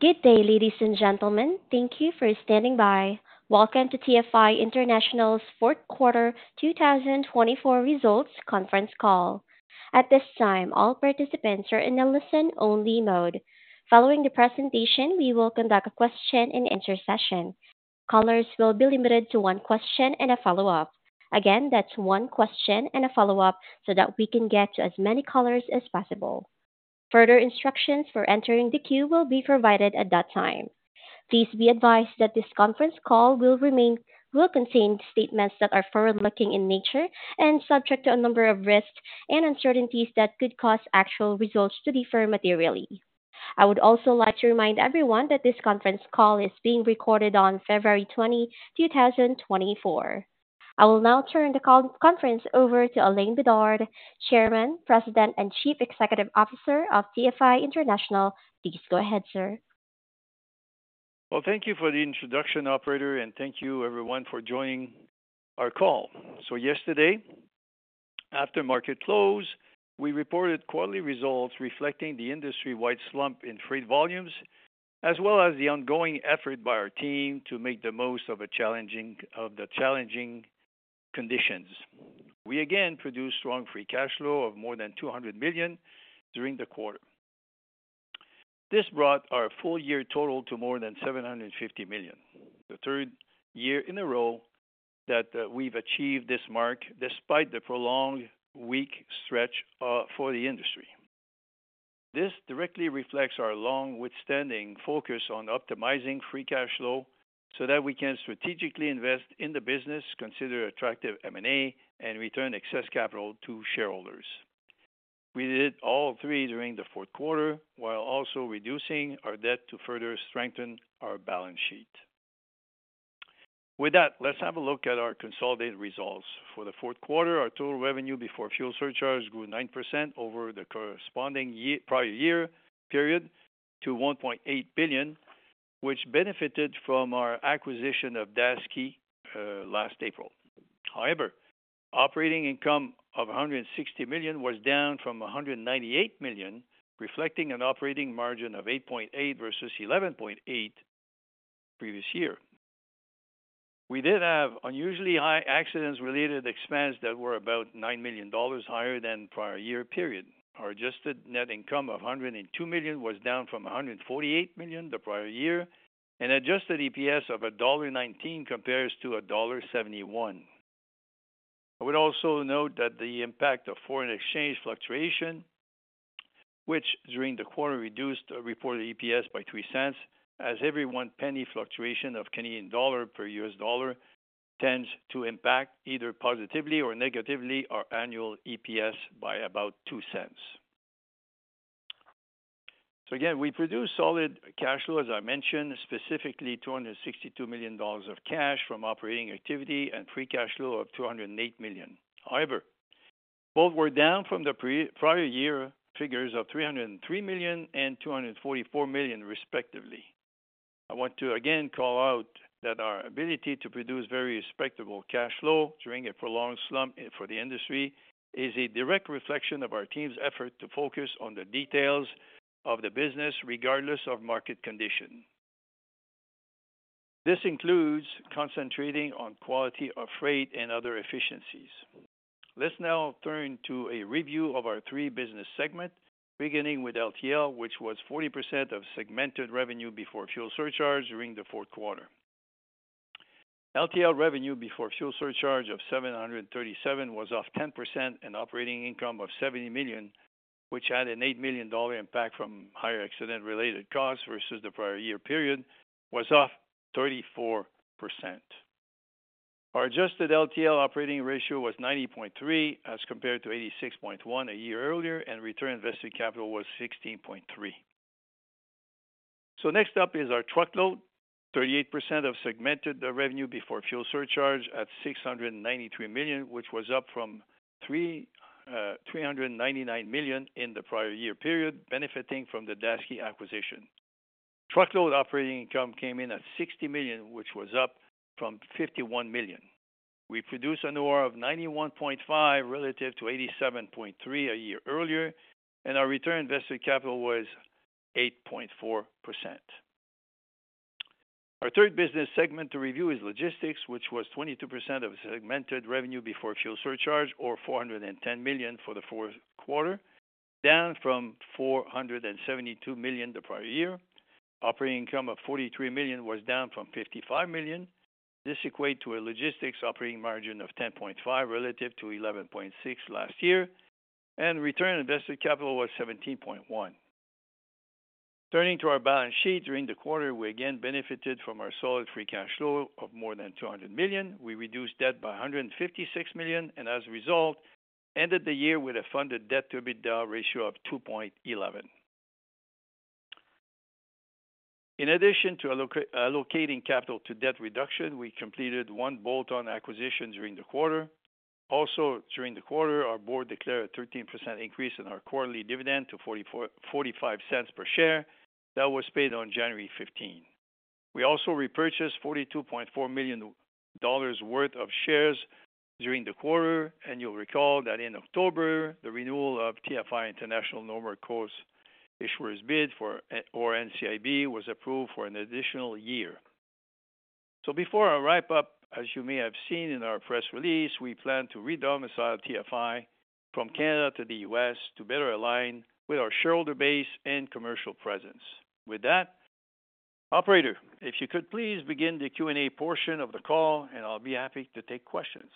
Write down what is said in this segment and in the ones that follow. Good day, ladies and gentlemen. Thank you for standing by. Welcome to TFI International's Fourth Quarter 2024 Results Conference Call. At this time, all participants are in a listen-only mode. Following the presentation, we will conduct a question-and-answer session. Callers will be limited to one question and a follow-up. Again, that's one question and a follow-up so that we can get to as many callers as possible. Further instructions for entering the queue will be provided at that time. Please be advised that this conference call will contain statements that are forward-looking in nature and subject to a number of risks and uncertainties that could cause actual results to differ materially. I would also like to remind everyone that this conference call is being recorded on February 20, 2024. I will now turn the conference over to Alain Bédard, Chairman, President, and Chief Executive Officer of TFI International. Please go ahead, sir. Thank you for the introduction, Operator, and thank you, everyone, for joining our call. Yesterday, after market close, we reported quarterly results reflecting the industry-wide slump in freight volumes, as well as the ongoing effort by our team to make the most of the challenging conditions. We again produced strong free cash flow of more than $200 million during the quarter. This brought our full-year total to more than $750 million, the third year in a row that we've achieved this mark despite the prolonged weak stretch for the industry. This directly reflects our long-standing focus on optimizing free cash flow so that we can strategically invest in the business, consider attractive M&A, and return excess capital to shareholders. We did all three during the fourth quarter while also reducing our debt to further strengthen our balance sheet. With that, let's have a look at our consolidated results. For the fourth quarter, our total revenue before fuel surcharge grew 9% over the corresponding prior year period to $1.8 billion, which benefited from our acquisition of Daseke last April. However, operating income of $160 million was down from $198 million, reflecting an operating margin of 8.8% versus 11.8% previous year. We did have unusually high accidents-related expense that were about $9 million higher than prior year period. Our adjusted net income of $102 million was down from $148 million the prior year, and adjusted EPS of $1.19 compares to $1.71. I would also note that the impact of foreign exchange fluctuation, which during the quarter reduced reported EPS by $0.03, as every one penny fluctuation of Canadian dollar per U.S., dollar tends to impact either positively or negatively our annual EPS by about $0.02. So again, we produced solid cash flow, as I mentioned, specifically $262 million of cash from operating activity and free cash flow of $208 million. However, both were down from the prior year figures of $303 million and $244 million, respectively. I want to again call out that our ability to produce very respectable cash flow during a prolonged slump for the industry is a direct reflection of our team's effort to focus on the details of the business regardless of market condition. This includes concentrating on quality of freight and other efficiencies. Let's now turn to a review of our three business segments, beginning with LTL, which was 40% of segmented revenue before fuel surcharge during the fourth quarter. LTL revenue before fuel surcharge of $737 was off 10%, and operating income of $70 million, which had an $8 million impact from higher accident-related costs versus the prior year period, was off 34%. Our adjusted LTL operating ratio was 90.3 as compared to 86.1 a year earlier, and return on invested capital was 16.3. So next up is our truckload, 38% of segmented revenue before fuel surcharge at $693 million, which was up from $399 million in the prior year period, benefiting from the Daseke acquisition. Truckload operating income came in at $60 million, which was up from $51 million. We produced an OR of 91.5 relative to 87.3 a year earlier, and our return on invested capital was 8.4%. Our third business segment to review is logistics, which was 22% of segmented revenue before fuel surcharge, or $410 million for the fourth quarter, down from $472 million the prior year. Operating income of $43 million was down from $55 million. This equates to a logistics operating margin of 10.5% relative to 11.6% last year, and return on invested capital was 17.1%. Turning to our balance sheet during the quarter, we again benefited from our solid free cash flow of more than $200 million. We reduced debt by $156 million, and as a result, ended the year with a funded debt-to-EBITDA ratio of 2.11. In addition to allocating capital to debt reduction, we completed one bolt-on acquisition during the quarter. Also, during the quarter, our board declared a 13% increase in our quarterly dividend to $0.45 per share that was paid on January 15. We also repurchased $42.4 million worth of shares during the quarter, and you'll recall that in October, the renewal of TFI International's Normal Course Issuer Bid for NCIB was approved for an additional year. Before I wrap up, as you may have seen in our press release, we plan to re-domicile TFI from Canada to the U.S., to better align with our shareholder base and commercial presence. With that, Operator, if you could please begin the Q&A portion of the call, and I'll be happy to take questions.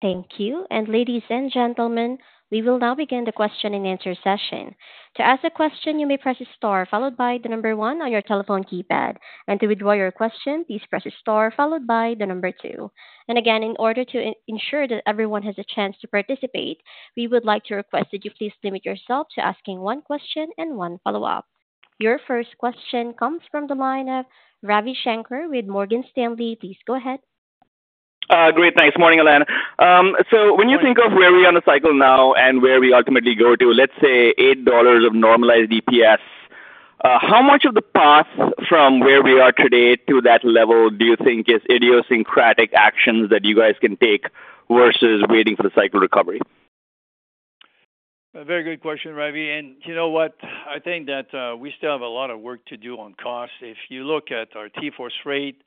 Thank you. And ladies and gentlemen, we will now begin the question-and-answer session. To ask a question, you may press a * followed by the number one on your telephone keypad. And to withdraw your question, please press a * followed by the number two. And again, in order to ensure that everyone has a chance to participate, we would like to request that you please limit yourself to asking one question and one follow-up. Your first question comes from the line of Ravi Shankar with Morgan Stanley. Please go ahead. Great. Thanks. Morning, Alain Bédard. So when you think of where we are on the cycle now and where we ultimately go to, let's say $8 of normalized EPS, how much of the path from where we are today to that level do you think is idiosyncratic actions that you guys can take versus waiting for the cycle recovery? Very good question, Ravi Shankar, and you know what? I think that we still have a lot of work to do on cost. If you look at our TForce rate,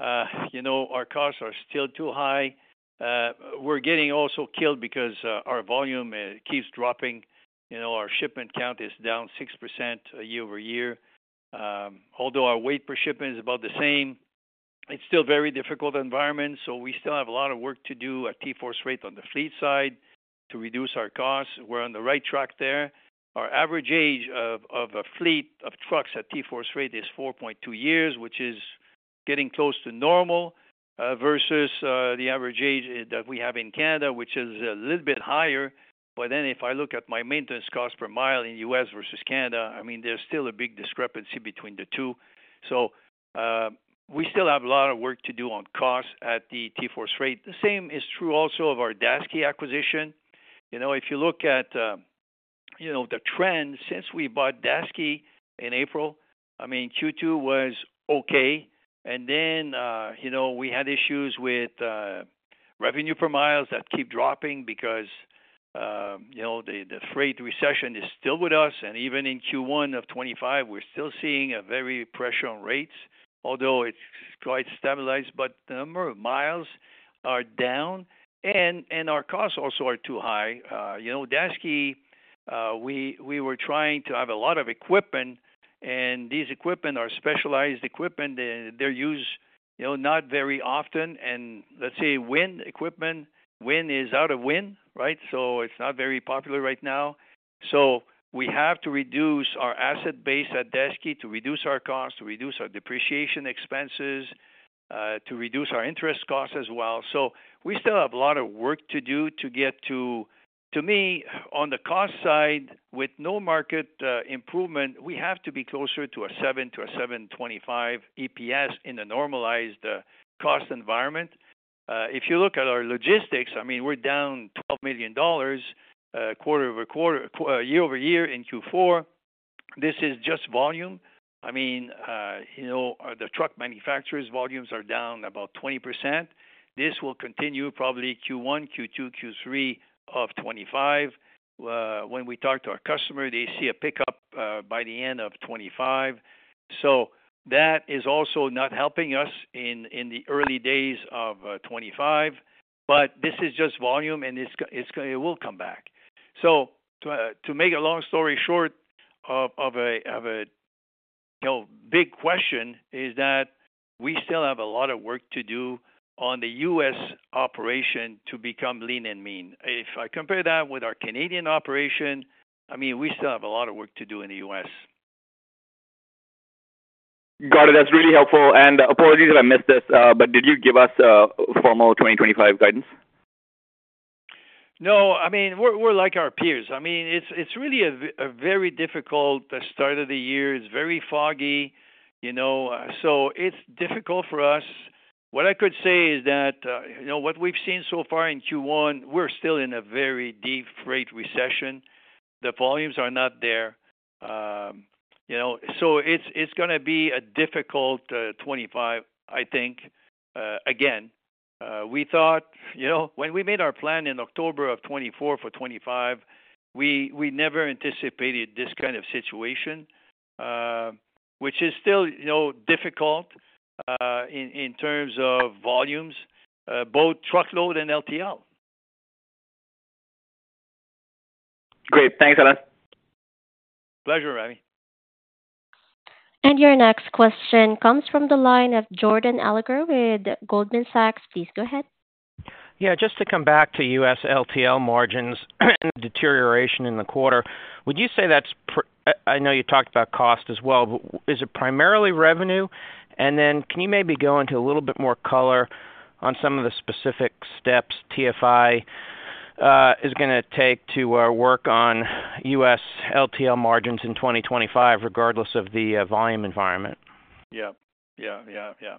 our costs are still too high. We're getting also killed because our volume keeps dropping. Our shipment count is down 6% year-over-year. Although our weight per shipment is about the same, it's still a very difficult environment, so we still have a lot of work to do at TForce Freight rate on the fleet side to reduce our costs. We're on the right track there. Our average age of a fleet of trucks at TForce Freight rate is 4.2 years, which is getting close to normal versus the average age that we have in Canada, which is a little bit higher. But then if I look at my maintenance cost per mile in the U.S., versus Canada, I mean, there's still a big discrepancy between the two. So we still have a lot of work to do on cost at the TForce's Freight rate. The same is true also of our Daseke acquisition. If you look at the trend since we bought Daseke in April, I mean, Q2 was okay. And then we had issues with revenue per miles that keep dropping because the freight recession is still with us. And even in Q1 of 2025, we're still seeing a very pressure on rates, although it's quite stabilized. But the number of miles are down, and our costs also are too high. Daseke, we were trying to have a lot of equipment, and these equipment are specialized equipment. They're used not very often. Let's say wind equipment, wind is out of wind, right? So it's not very popular right now. So we have to reduce our asset base at Daseke to reduce our cost, to reduce our depreciation expenses, to reduce our interest costs as well. So we still have a lot of work to do to get to, to me, on the cost side, with no market improvement, we have to be closer to a 7 to a 7.25 EPS in a normalized cost environment. If you look at our logistics, I mean, we're down $12 million quarter over quarter, year-over-year in Q4. This is just volume. I mean, the truck manufacturers' volumes are down about 20%. This will continue probably Q1, Q2, Q3 of 2025. When we talk to our customer, they see a pickup by the end of 2025. So that is also not helping us in the early days of 2025. But this is just volume, and it will come back. So to make a long story short, a big question is that we still have a lot of work to do on the U.S., operation to become lean and mean. If I compare that with our Canadian operation, I mean, we still have a lot of work to do in the U.S., Got it. That's really helpful. And apologies if I missed this, but did you give us formal 2025 guidance? No. I mean, we're like our peers. I mean, it's really a very difficult start of the year. It's very foggy. So it's difficult for us. What I could say is that what we've seen so far in Q1, we're still in a very deep freight recession. The volumes are not there. So it's going to be a difficult 2025, I think, again. We thought when we made our plan in October of 2024 for 2025, we never anticipated this kind of situation, which is still difficult in terms of volumes, both truckload and LTL. Great. Thanks, Alain Bédard. Pleasure, Ravi Shankar. Your next question comes from the line of Jordan Alliger with Goldman Sachs. Please go ahead. Yeah. Just to come back to U.S. LTL margins and deterioration in the quarter, would you say that's? I know you talked about cost as well, but is it primarily revenue? And then can you maybe go into a little bit more color on some of the specific steps TFI is going to take to work on U.S. LTL margins in 2025, regardless of the volume environment? Yeah. Yeah. Yeah. Yeah.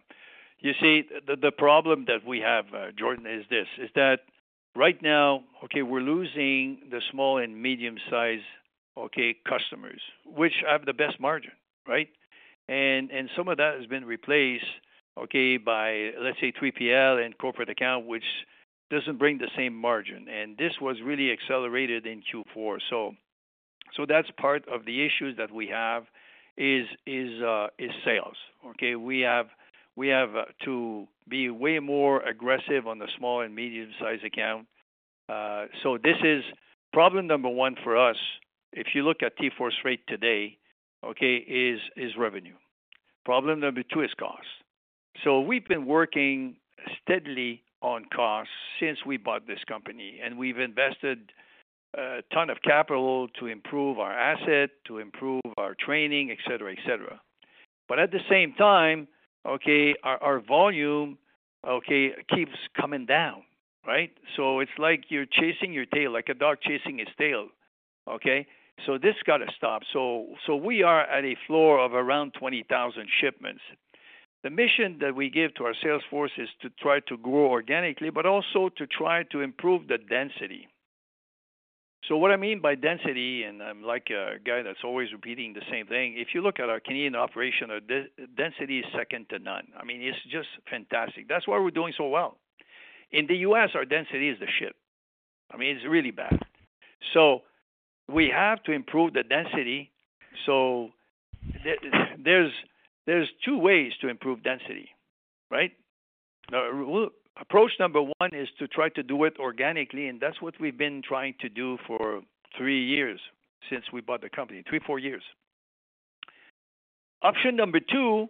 You see, the problem that we have, Jordan Alliger, is this: right now, okay, we're losing the small and medium-sized customers, which have the best margin, right? And some of that has been replaced, okay, by, let's say, 3PL and corporate account, which doesn't bring the same margin. And this was really accelerated in Q4. So that's part of the issues that we have is sales. Okay? We have to be way more aggressive on the small and medium-sized account. So this is problem number one for us. If you look at TForce's Freight rate today, okay, is revenue. Problem number two is cost. So we've been working steadily on costs since we bought this company, and we've invested a ton of capital to improve our asset, to improve our training, etc., etc. But at the same time, okay, our volume, okay, keeps coming down, right? So it's like you're chasing your tail, like a dog chasing his tail. Okay? So this got to stop. So we are at a floor of around 20,000 shipments. The mission that we give to our sales force is to try to grow organically, but also to try to improve the density. So what I mean by density, and I'm like a guy that's always repeating the same thing, if you look at our Canadian operation, our density is second to none. I mean, it's just fantastic. That's why we're doing so well. In the U.S., our density is the shit. I mean, it's really bad. So we have to improve the density. So there's two ways to improve density, right? Approach number one is to try to do it organically, and that's what we've been trying to do for three years since we bought the company, three, four years. Option number two,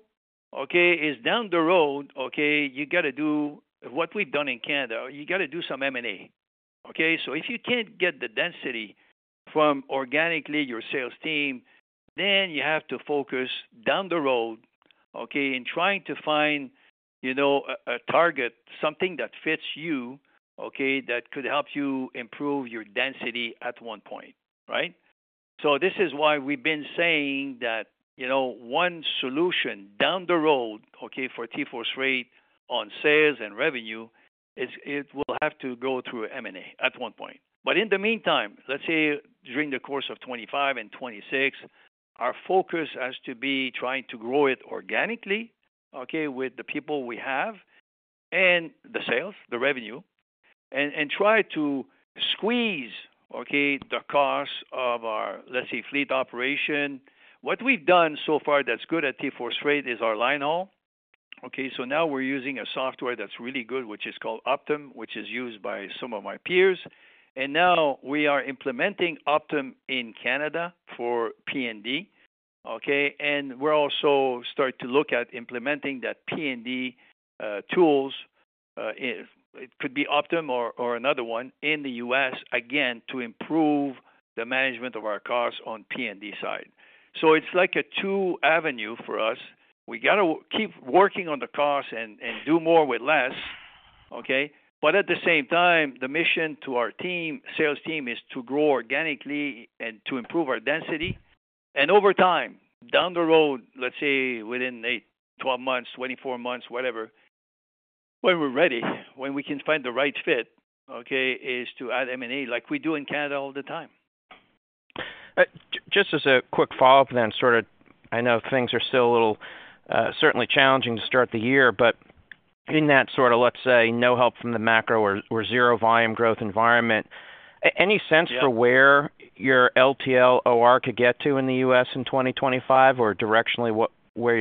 okay, is down the road, okay. You got to do what we've done in Canada. You got to do some M&A. Okay? So if you can't get the density from organically, your sales team, then you have to focus down the road, okay, in trying to find a target, something that fits you, okay, that could help you improve your density at one point, right? So this is why we've been saying that one solution down the road, okay, for TForce's Freight OR, sales and revenue, it will have to go through M&A at one point. But in the meantime, let's say during the course of 2025 and 2026, our focus has to be trying to grow it organically, okay, with the people we have and the sales, the revenue, and try to squeeze, okay, the cost of our, let's say, fleet operation. What we've done so far that's good at TForce's Freight rate is our linehaul. Okay? So now we're using a software that's really good, which is called Optym, which is used by some of my peers. And now we are implementing Optym in Canada for P&D. Okay? And we're also starting to look at implementing that P&D tools. It could be Optym or another one in the U.S., again, to improve the management of our costs on P&D side. So it's like a two-avenue for us. We got to keep working on the cost and do more with less, okay? But at the same time, the mission to our team, sales team, is to grow organically and to improve our density. Over time, down the road, let's say within 8, 12 months, 24 months, whatever, when we're ready, when we can find the right fit, okay, is to add M&A like we do in Canada all the time. Just as a quick follow-up then, sort of I know things are still a little certainly challenging to start the year, but in that sort of, let's say, no help from the macro or zero volume growth environment, any sense for where your LTL OR could get to in the U.S., in 2025, or directionally where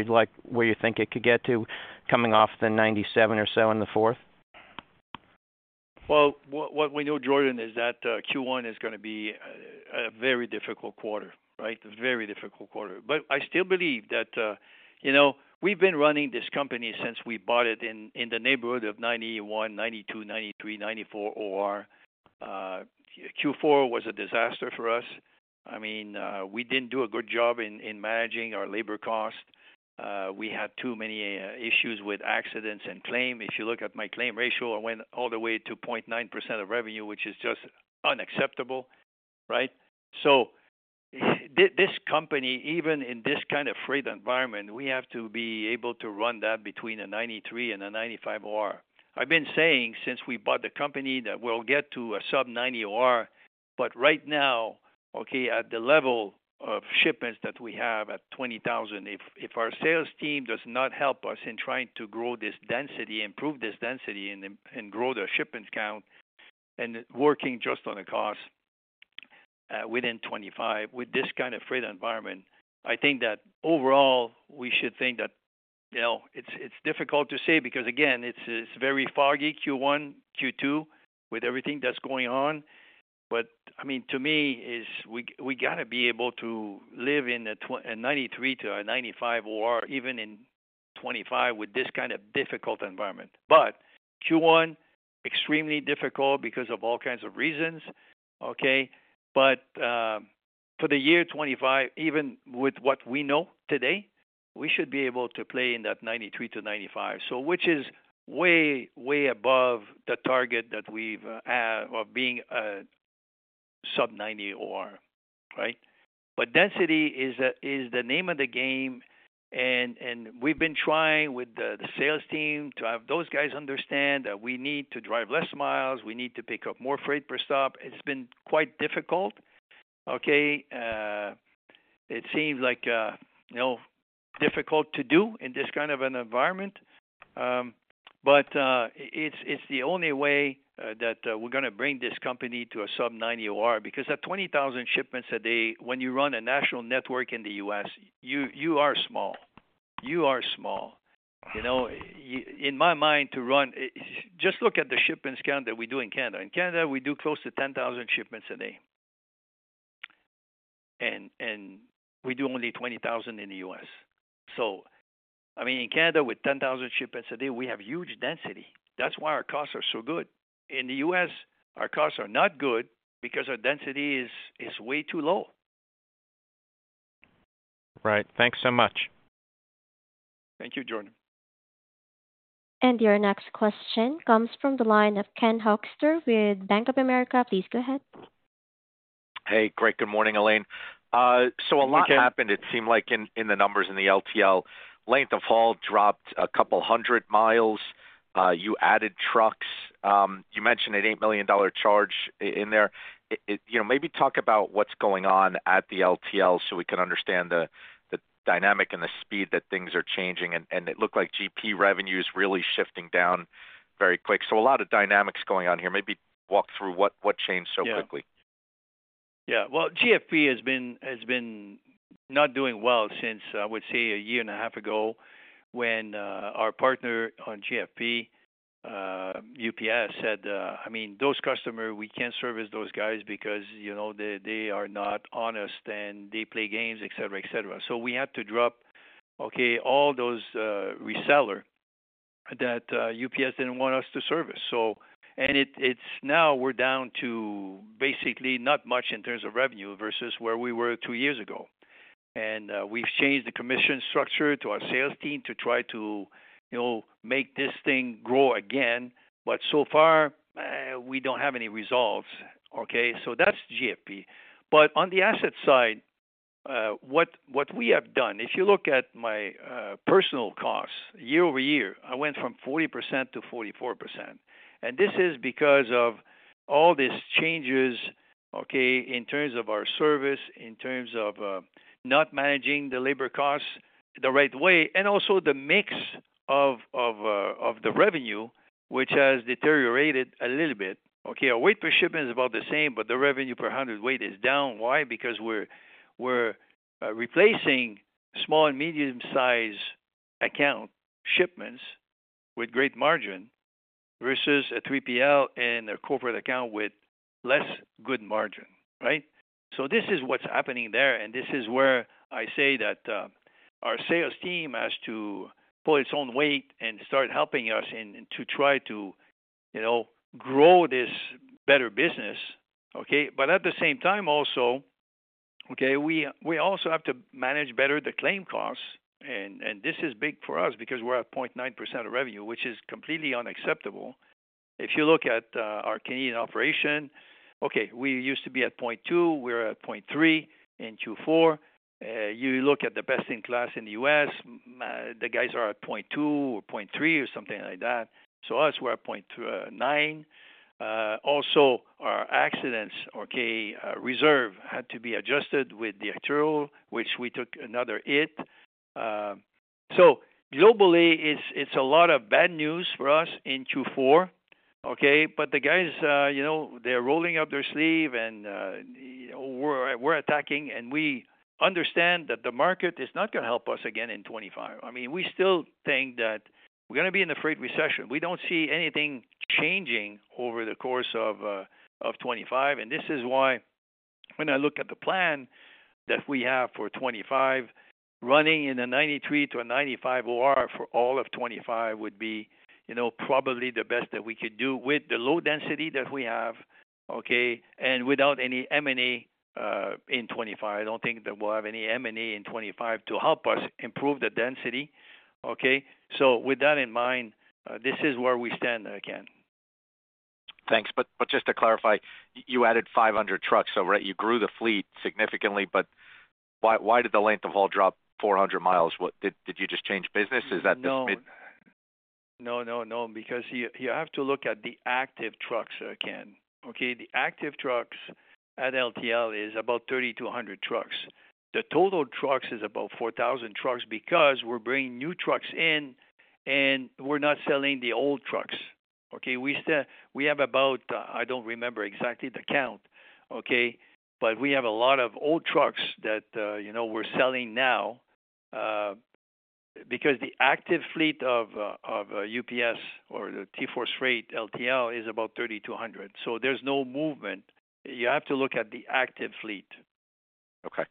you think it could get to coming off the 97% or so and the fourth? Well, what we know, Jordan Alliger, is that Q1 is going to be a very difficult quarter, right? A very difficult quarter. But I still believe that we've been running this company since we bought it in the neighborhood of 91, 92, 93, 94 OR. Q4 was a disaster for us. I mean, we didn't do a good job in managing our labor cost. We had too many issues with accidents and claims. If you look at my claims ratio, I went all the way to 0.9% of revenue, which is just unacceptable, right? So this company, even in this kind of freight environment, we have to be able to run that between a 93 and a 95 OR. I've been saying since we bought the company that we'll get to a sub-90 OR, but right now, okay, at the level of shipments that we have at 20,000, if our sales team does not help us in trying to grow this density, improve this density, and grow the shipment count, and working just on the cost within 2025 with this kind of freight environment, I think that overall, we should think that it's difficult to say because, again, it's very foggy Q1, Q2 with everything that's going on. But I mean, to me, we got to be able to live in a 93-95 OR, even in 2025 with this kind of difficult environment. But Q1, extremely difficult because of all kinds of reasons, okay? But for the year 2025, even with what we know today, we should be able to play in that 93%-95%, which is way, way above the target that we've had of being a sub-90% OR, right? But density is the name of the game. And we've been trying with the sales team to have those guys understand that we need to drive less miles. We need to pick up more freight per stop. It's been quite difficult, okay? It seems like difficult to do in this kind of an environment. But it's the only way that we're going to bring this company to a sub-90% OR because at 20,000 shipments a day, when you run a national network in the U.S., you are small. You are small. In my mind, to run just look at the shipments count that we do in Canada. In Canada, we do close to 10,000 shipments a day. And we do only 20,000 in the U.S. So I mean, in Canada, with 10,000 shipments a day, we have huge density. That's why our costs are so good. In the US, our costs are not good because our density is way too low. Right. Thanks so much. Thank you, Jordan Alliger. Your next question comes from the line of Ken Hoexter with Bank of America. Please go ahead. Hey, great. Good morning, Alain Bédard. So a lot happened, it seemed like, in the numbers in the LTL. Length of haul dropped a couple hundred miles. You added trucks. You mentioned an $8 million charge in there. Maybe talk about what's going on at the LTL so we can understand the dynamic and the speed that things are changing. And it looked like GP revenue is really shifting down very quick. So a lot of dynamics going on here. Maybe walk through what changed so quickly. Yeah. Yeah. Well, GFP has been not doing well since, I would say, a year and a half ago when our partner on GFP, UPS, said, "I mean, those customers, we can't service those guys because they are not honest, and they play games," etc., etc. So we had to drop, okay, all those resellers that UPS didn't want us to service. And now we're down to basically not much in terms of revenue versus where we were two years ago. And we've changed the commission structure to our sales team to try to make this thing grow again. But so far, we don't have any results, okay? So that's GFP. But on the asset side, what we have done, if you look at my personnel costs, year-over-year, I went from 40% to 44%. This is because of all these changes, okay, in terms of our service, in terms of not managing the labor costs the right way, and also the mix of the revenue, which has deteriorated a little bit. Okay? Our weight per shipment is about the same, but the revenue per hundredweight is down. Why? Because we're replacing small and medium-sized account shipments with great margin versus a 3PL and a corporate account with less good margin, right? So this is what's happening there. And this is where I say that our sales team has to pull its own weight and start helping us to try to grow this better business, okay? But at the same time also, okay, we also have to manage better the claim costs. And this is big for us because we're at 0.9% of revenue, which is completely unacceptable. If you look at our Canadian operation, okay, we used to be at 0.2. We're at 0.3 in Q4. You look at the best in class in the U.S., the guys are at 0.2 or 0.3 or something like that. So us, we're at 0.9. Also, our accidents, okay, reserve had to be adjusted with the actuarial, which we took another hit. So globally, it's a lot of bad news for us in Q4, okay? But the guys, they're rolling up their sleeves, and we're attacking. And we understand that the market is not going to help us again in 2025. I mean, we still think that we're going to be in a freight recession. We don't see anything changing over the course of 2025. This is why when I look at the plan that we have for 2025, running in a 93% to a 95% OR for all of 2025 would be probably the best that we could do with the low density that we have, okay, and without any M&A in 2025. I don't think that we'll have any M&A in 2025 to help us improve the density, okay? With that in mind, this is where we stand again. Thanks. But just to clarify, you added 500 trucks, so you grew the fleet significantly. But why did the length of haul drop 400 miles? Did you just change business? Is that the. No. No, no, no. Because you have to look at the active trucks again. Okay? The active trucks at LTL is about 3,200 trucks. The total trucks is about 4,000 trucks because we're bringing new trucks in, and we're not selling the old trucks. Okay? We have about, I don't remember exactly the count, okay? But we have a lot of old trucks that we're selling now because the active fleet of UPS or the TForce Freight LTL is about 3,200. So there's no movement. You have to look at the active fleet. Okay.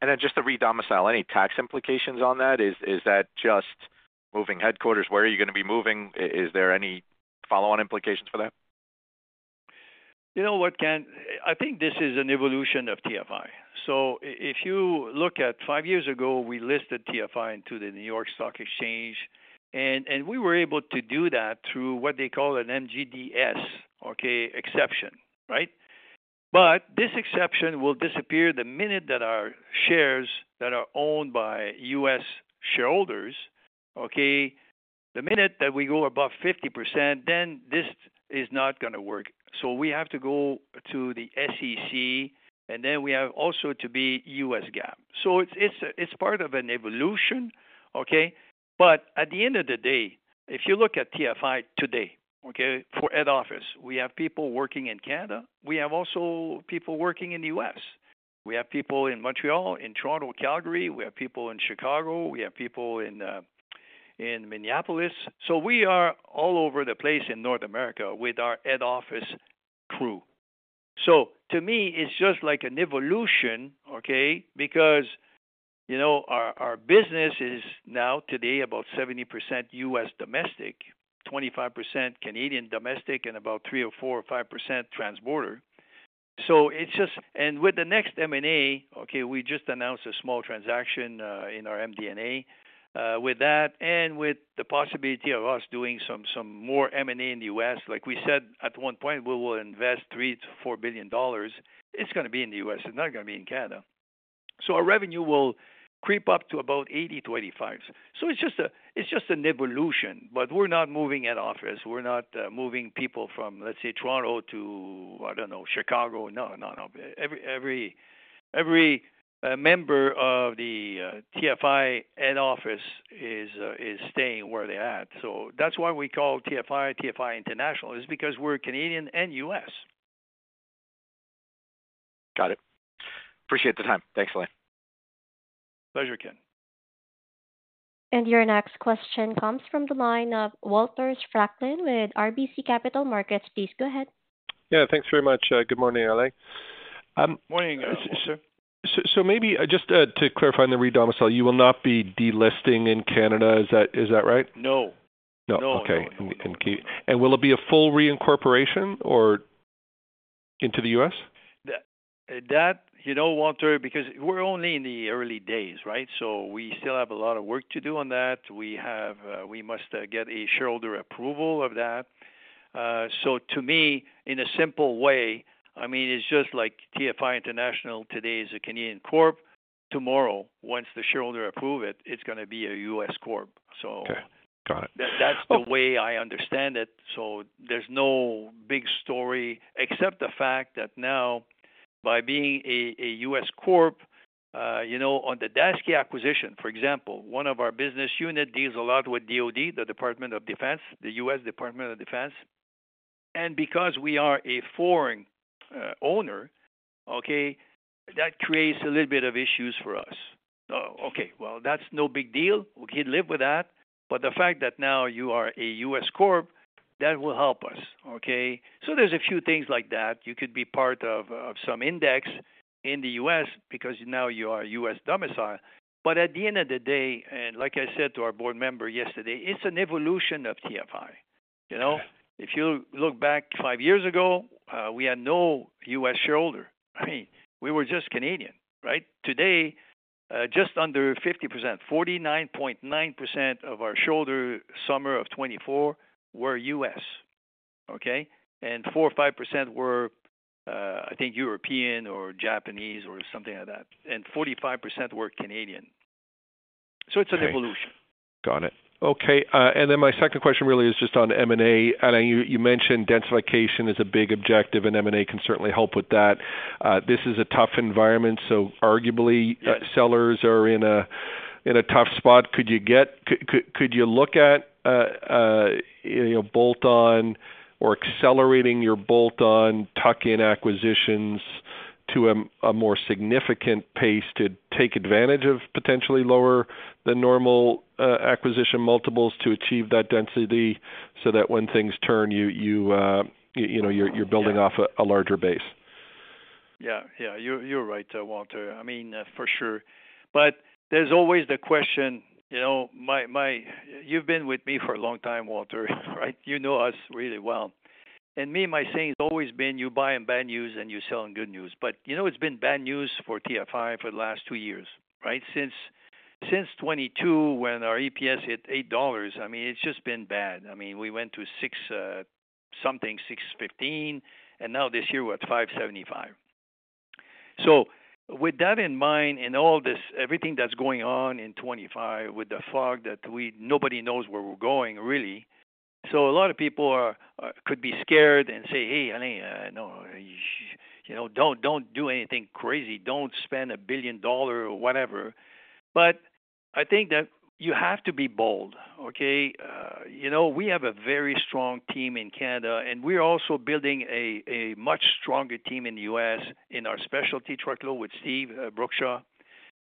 And then just to redomicile, any tax implications on that? Is that just moving headquarters? Where are you going to be moving? Is there any follow-on implications for that? You know what, Ken Hoexter? I think this is an evolution of TFI. So if you look at five years ago, we listed TFI into the New York Stock Exchange, and we were able to do that through what they call an MJDS, okay, exception, right? But this exception will disappear the minute that our shares that are owned by U.S.,shareholders, okay, the minute that we go above 50%, then this is not going to work. So we have to go to the SEC, and then we have also to be U.S. GAAP. So it's part of an evolution, okay? But at the end of the day, if you look at TFI today, okay, for head office, we have people working in Canada. We have also people working in the U.S. We have people in Montreal, in Toronto, Calgary. We have people in Chicago. We have people in Minneapolis. So we are all over the place in North America with our head office crew. So to me, it's just like an evolution, okay, because our business is now today about 70% U.S., domestic, 25% Canadian domestic, and about 3 or 4 or 5% transborder. So it's just. And with the next M&A, okay, we just announced a small transaction in our MD&A with that and with the possibility of us doing some more M&A in the U.S. Like we said at one point, we will invest $3-$4 billion. It's going to be in the U.S. It's not going to be in Canada. So our revenue will creep up to about 80, 25s. So it's just an evolution, but we're not moving head office. We're not moving people from, let's say, Toronto to, I don't know, Chicago. No, no, no. Every member of the TFI head office is staying where they're at. So that's why we call TFI, TFI International, is because we're Canadian and U.S. Got it. Appreciate the time. Thanks, Alain Bédard. Pleasure, Ken Hoexter. Your next question comes from the line of Walter Spracklin with RBC Capital Markets. Please go ahead. Yeah. Thanks very much. Good morning, Alain Bédard. Morning, Alain Bédard. So maybe just to clarify on the redomicile, you will not be delisting in Canada. Is that right? No. No. Okay. And will it be a full reincorporation or into the U.S.? That, Walter Spracklin, because we're only in the early days, right, so we still have a lot of work to do on that. We must get a shareholder approval of that. So to me, in a simple way, I mean, it's just like TFI International today is a Canadian corp. Tomorrow, once the shareholder approves it, it's going to be a U.S., corp. That's the way I understand it, so there's no big story except the fact that now, by being a U.S., corp, on the Daseke acquisition, for example, one of our business units deals a lot with DOD, the Department of Defense, the U.S. Department of Defense. And because we are a foreign owner, okay, that creates a little bit of issues for us. Okay, well, that's no big deal. We can live with that. But the fact that now you are a U.S., corp, that will help us, okay? So there's a few things like that. You could be part of some index in the U.S., because now you are U.S., domicile. But at the end of the day, and like I said to our board member yesterday, it's an evolution of TFI. If you look back five years ago, we had no U.S., shareholder. I mean, we were just Canadian, right? Today, just under 50%, 49.9% of our shareholders as of summer of 2024 were U.S., okay? And four or five% were, I think, European or Japanese or something like that. And 45% were Canadian. So it's an evolution. Got it. Okay. And then my second question really is just on M&A. You mentioned densification is a big objective, and M&A can certainly help with that. This is a tough environment. So arguably, sellers are in a tough spot. Could you look at bolt-on or accelerating your bolt-on tuck-in acquisitions to a more significant pace to take advantage of potentially lower than normal acquisition multiples to achieve that density so that when things turn, you're building off a larger base? Yeah. Yeah. You're right, Walter Spracklin. I mean, for sure. But there's always the question. You've been with me for a long time, Walter Spracklin, right? You know us really well. And me, my saying has always been, "You buy on bad news, and you sell on good news." But it's been bad news for TFI for the last two years, right? Since 2022, when our EPS hit $8, I mean, it's just been bad. I mean, we went to 6-something, 6.15, and now this year, we're at 5.75. So with that in mind and all this, everything that's going on in 2025 with the fog that nobody knows where we're going, really, so a lot of people could be scared and say, "Hey, Alain Bédard, no, don't do anything crazy. Don't spend a billion dollars or whatever." But I think that you have to be bold, okay? We have a very strong team in Canada, and we're also building a much stronger team in the U.S., in our specialty truckload with Steven Brookshaw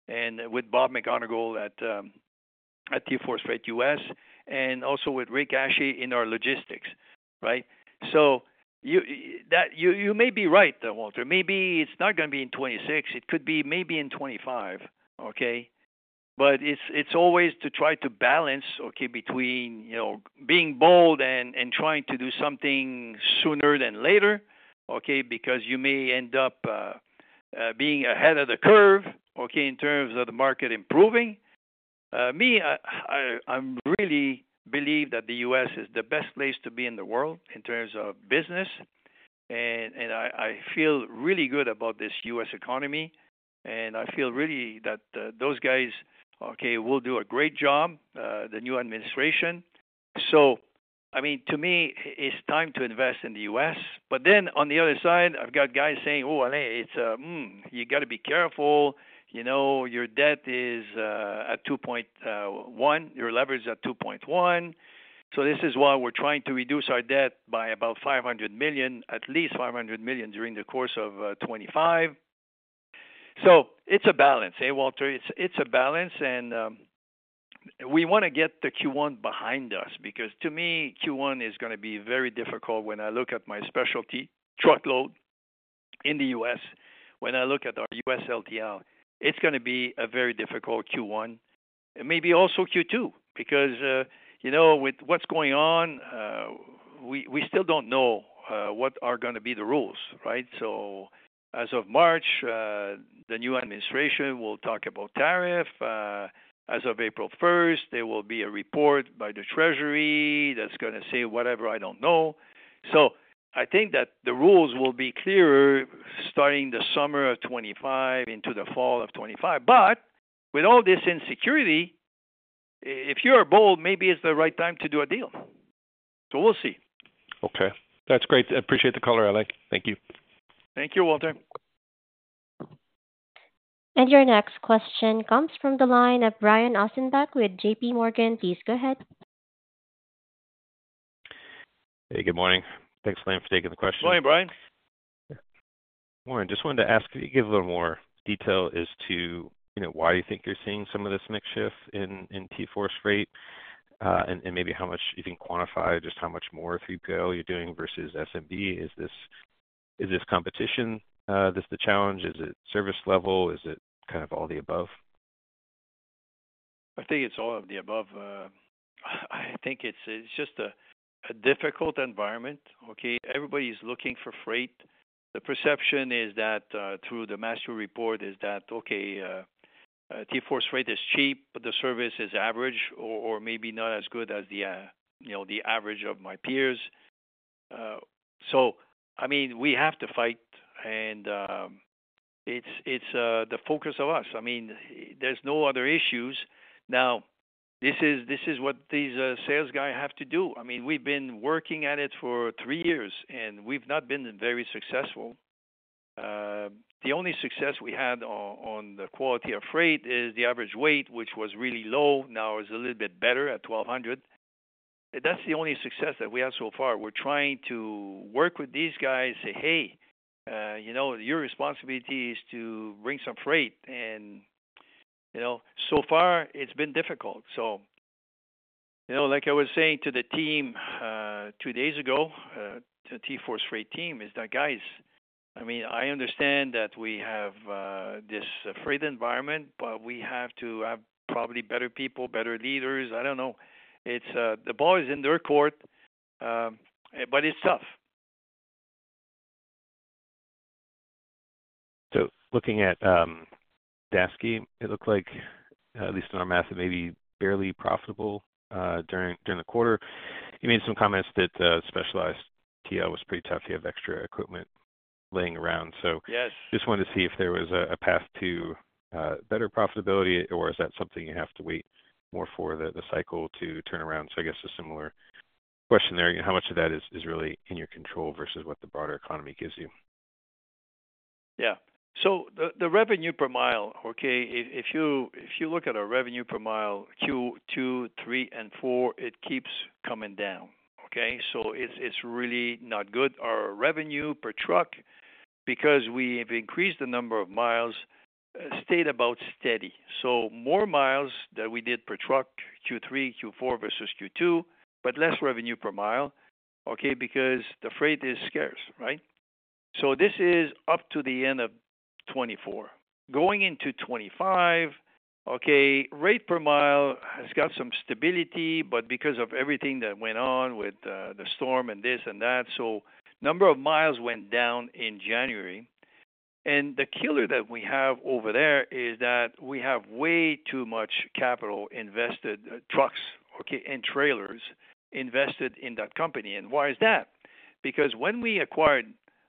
and with Bob McGonigal at TForce Freight U.S., and also with Rick Hashie in our logistics, right? So you may be right, Walter Spracklin. Maybe it's not going to be in 2026. It could be maybe in 2025, okay? But it's always to try to balance, okay, between being bold and trying to do something sooner than later, okay, because you may end up being ahead of the curve, okay, in terms of the market improving. Me, I really believe that the U.S., is the best place to be in the world in terms of business. And I feel really good about this U.S., economy. And I feel really that those guys, okay, will do a great job, the new administration. I mean, to me, it's time to invest in the U.S., But then on the other side, I've got guys saying, "Oh, Alain Bédard, you got to be careful. Your debt is at 2.1. Your leverage is at 2.1." This is why we're trying to reduce our debt by about $500 million, at least $500 million during the course of 2025. It's a balance, hey, Walter Spracklin? It's a balance. We want to get the Q1 behind us because to me, Q1 is going to be very difficult when I look at my specialty truckload in the U.S. When I look at our U.S. LTL, it's going to be a very difficult Q1. Maybe also Q2 because with what's going on, we still don't know what are going to be the rules, right? As of March, the new administration will talk about tariff. As of April 1st, there will be a report by the Treasury that's going to say whatever I don't know. So I think that the rules will be clearer starting the summer of 2025 into the fall of 2025. But with all this insecurity, if you're bold, maybe it's the right time to do a deal. So we'll see. Okay. That's great. Appreciate the call, Alain Bédard. Thank you. Thank you, Walter Spracklin. And your next question comes from the line of Brian Ossenbeck with JPMorgan. Please go ahead. Hey, good morning. Thanks, Alain Bédard, for taking the question. Good morning, Brian Ossenbeck. Morning. Just wanted to ask, if you could give a little more detail as to why you think you're seeing some of this mix shift in TForce Freight and maybe how much you can quantify just how much more through-go you're doing versus SMB. Is this competition the challenge? Is it service level? Is it kind of all the above? I think it's all of the above. I think it's just a difficult environment, okay? Everybody's looking for freight. The perception is that through the Mastio Report is that, okay, TForce Freight is cheap, but the service is average or maybe not as good as the average of my peers. So I mean, we have to fight, and it's the focus of us. I mean, there's no other issues. Now, this is what these sales guys have to do. I mean, we've been working at it for three years, and we've not been very successful. The only success we had on the quality of freight is the average weight, which was really low. Now it's a little bit better at 1,200. That's the only success that we have so far. We're trying to work with these guys, say, "Hey, your responsibility is to bring some freight," and so far, it's been difficult, so like I was saying to the team two days ago, the TForce Freight team is the guys. I mean, I understand that we have this freight environment, but we have to have probably better people, better leaders. I don't know. The ball is in their court, but it's tough. So looking at Daseke, it looked like, at least in our math, it may be barely profitable during the quarter. You made some comments that specialized TL was pretty tough. You have extra equipment lying around. So just wanted to see if there was a path to better profitability, or is that something you have to wait more for the cycle to turn around? So I guess a similar question there. How much of that is really in your control versus what the broader economy gives you? Yeah. So the revenue per mile, okay, if you look at our revenue per mile, Q2, Q3, and Q4, it keeps coming down, okay? So it's really not good. Our revenue per truck, because we have increased the number of miles, stayed about steady. So more miles that we did per truck, Q3, Q4 versus Q2, but less revenue per mile, okay, because the freight is scarce, right? So this is up to the end of 2024. Going into 2025, okay, rate per mile has got some stability, but because of everything that went on with the storm and this and that, so number of miles went down in January. And the killer that we have over there is that we have way too much capital invested-trucks and trailers invested in that company. And why is that? Because when we acquired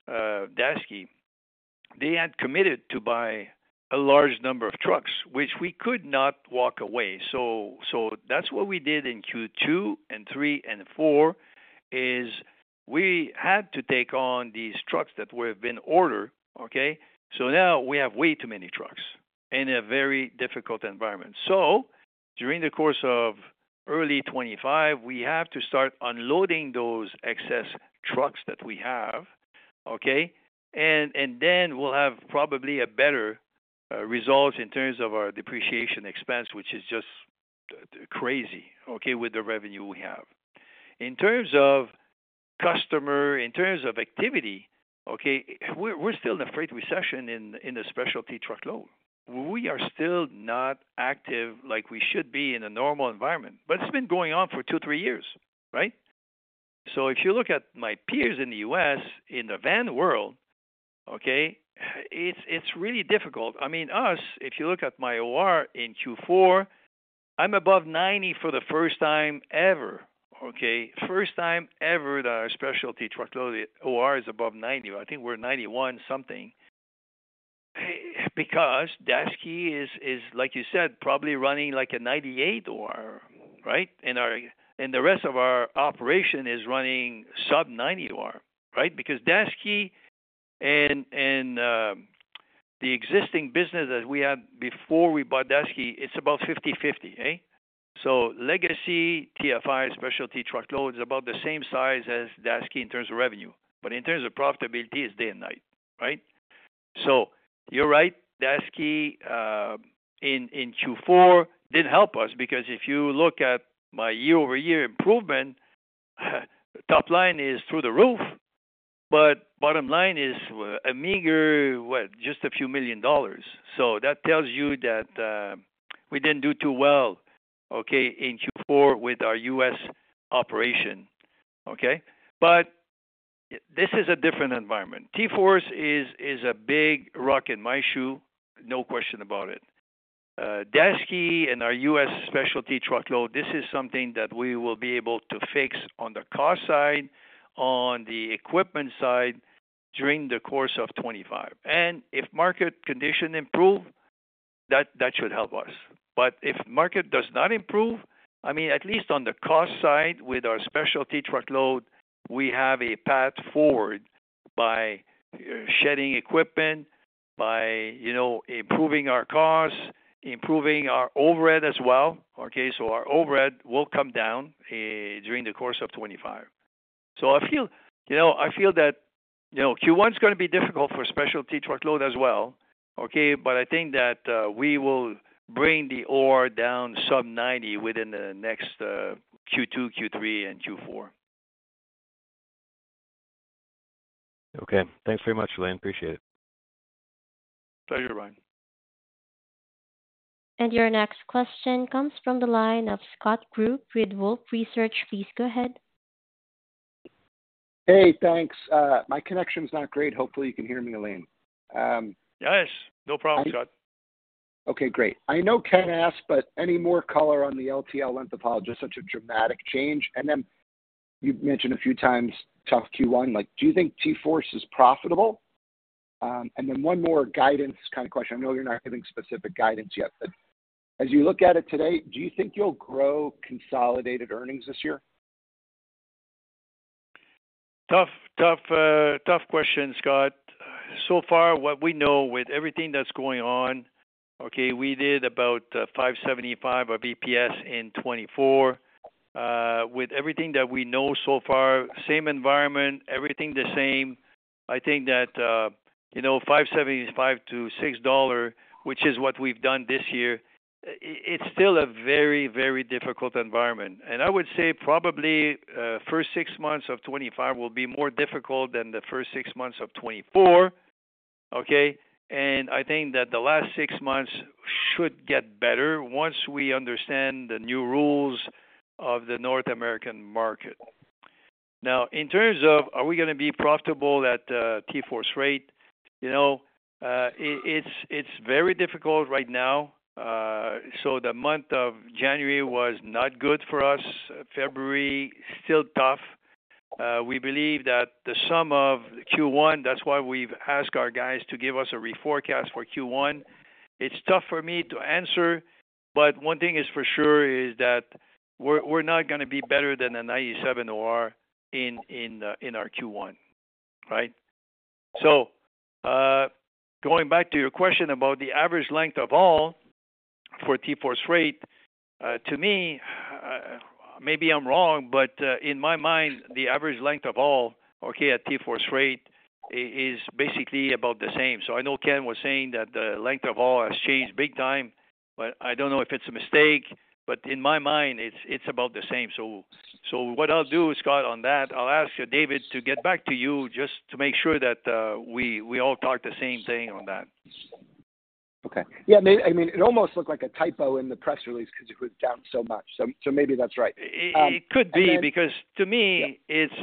Daseke, they had committed to buy a large number of trucks, which we could not walk away. So that's what we did in Q2 and 3 and 4 is we had to take on these trucks that were in order, okay? So now we have way too many trucks in a very difficult environment. So during the course of early 2025, we have to start unloading those excess trucks that we have, okay? And then we'll have probably a better result in terms of our depreciation expense, which is just crazy, okay, with the revenue we have. In terms of customer, in terms of activity, okay, we're still in a freight recession in the specialty truckload. We are still not active like we should be in a normal environment, but it's been going on for two, three years, right? So if you look at my peers in the U.S., in the van world, okay, it's really difficult. I mean, us, if you look at my OR in Q4, I'm above 90 for the first time ever, okay? First time ever that our specialty truckload OR is above 90. I think we're 91 something because Daseke is, like you said, probably running like a 98 OR, right? And the rest of our operation is running sub-90 OR, right? Because Daseke and the existing business that we had before we bought Daseke, it's about 50/50, hey? So legacy TFI specialty truckload is about the same size as Daseke in terms of revenue. But in terms of profitability, it's day and night, right? So you're right. Daseke in Q4 didn't help us because if you look at my year-over-year improvement, top line is through the roof, but bottom line is a meager, what, just a few million dollars. So that tells you that we didn't do too well, okay, in Q4 with our US operation, okay? But this is a different environment. TForce's Freight is a big rock in my shoe, no question about it. Daseke and our U.S., specialty truckload, this is something that we will be able to fix on the cost side, on the equipment side during the course of 2025. And if market condition improves, that should help us. But if market does not improve, I mean, at least on the cost side with our specialty truckload, we have a path forward by shedding equipment, by improving our costs, improving our overhead as well, okay? So our overhead will come down during the course of 2025. So I feel that Q1 is going to be difficult for specialty truckload as well, okay? But I think that we will bring the OR down sub-90 within the next Q2, Q3, and Q4. Okay. Thanks very much, Alain Bédard. Appreciate it. Pleasure, Brian Ossenbeck. And your next question comes from the line of Scott Group with Wolfe Research. Please go ahead. Hey, thanks. My connection's not great. Hopefully, you can hear me, Alain Bédard. Yes. No problem, Scott Group. Okay. Great. I know Ken Hoexter asked, but any more color on the LTL and the OR? Just such a dramatic change. And then you mentioned a few times tough Q1. Do you think TForce Freight is profitable? And then one more guidance kind of question. I know you're not giving specific guidance yet, but as you look at it today, do you think you'll grow consolidated earnings this year? Tough question, Scott Group. So far, what we know with everything that's going on, okay, we did about $5.75 of EPS in 2024. With everything that we know so far, same environment, everything the same. I think that $5.75-$6, which is what we've done this year, it's still a very, very difficult environment. And I would say probably first six months of 2025 will be more difficult than the first six months of 2024, okay? And I think that the last six months should get better once we understand the new rules of the North American market. Now, in terms of are we going to be profitable at TForce Freight, it's very difficult right now. So the month of January was not good for us. February is still tough. We believe that the sum of Q1, that's why we've asked our guys to give us a reforecast for Q1. It's tough for me to answer, but one thing is for sure is that we're not going to be better than a 97 OR in our Q1, right? So going back to your question about the average length of haul for TForce Freight, to me, maybe I'm wrong, but in my mind, the average length of haul, okay, at TForce Freight is basically about the same. So I know Ken Hoexter was saying that the length of haul has changed big time, but I don't know if it's a mistake, but in my mind, it's about the same. So what I'll do, Scott Group, on that, I'll ask David to get back to you just to make sure that we all talk the same thing on that. Okay. Yeah. I mean, it almost looked like a typo in the press release because it was down so much. So maybe that's right. It could be because to me, it's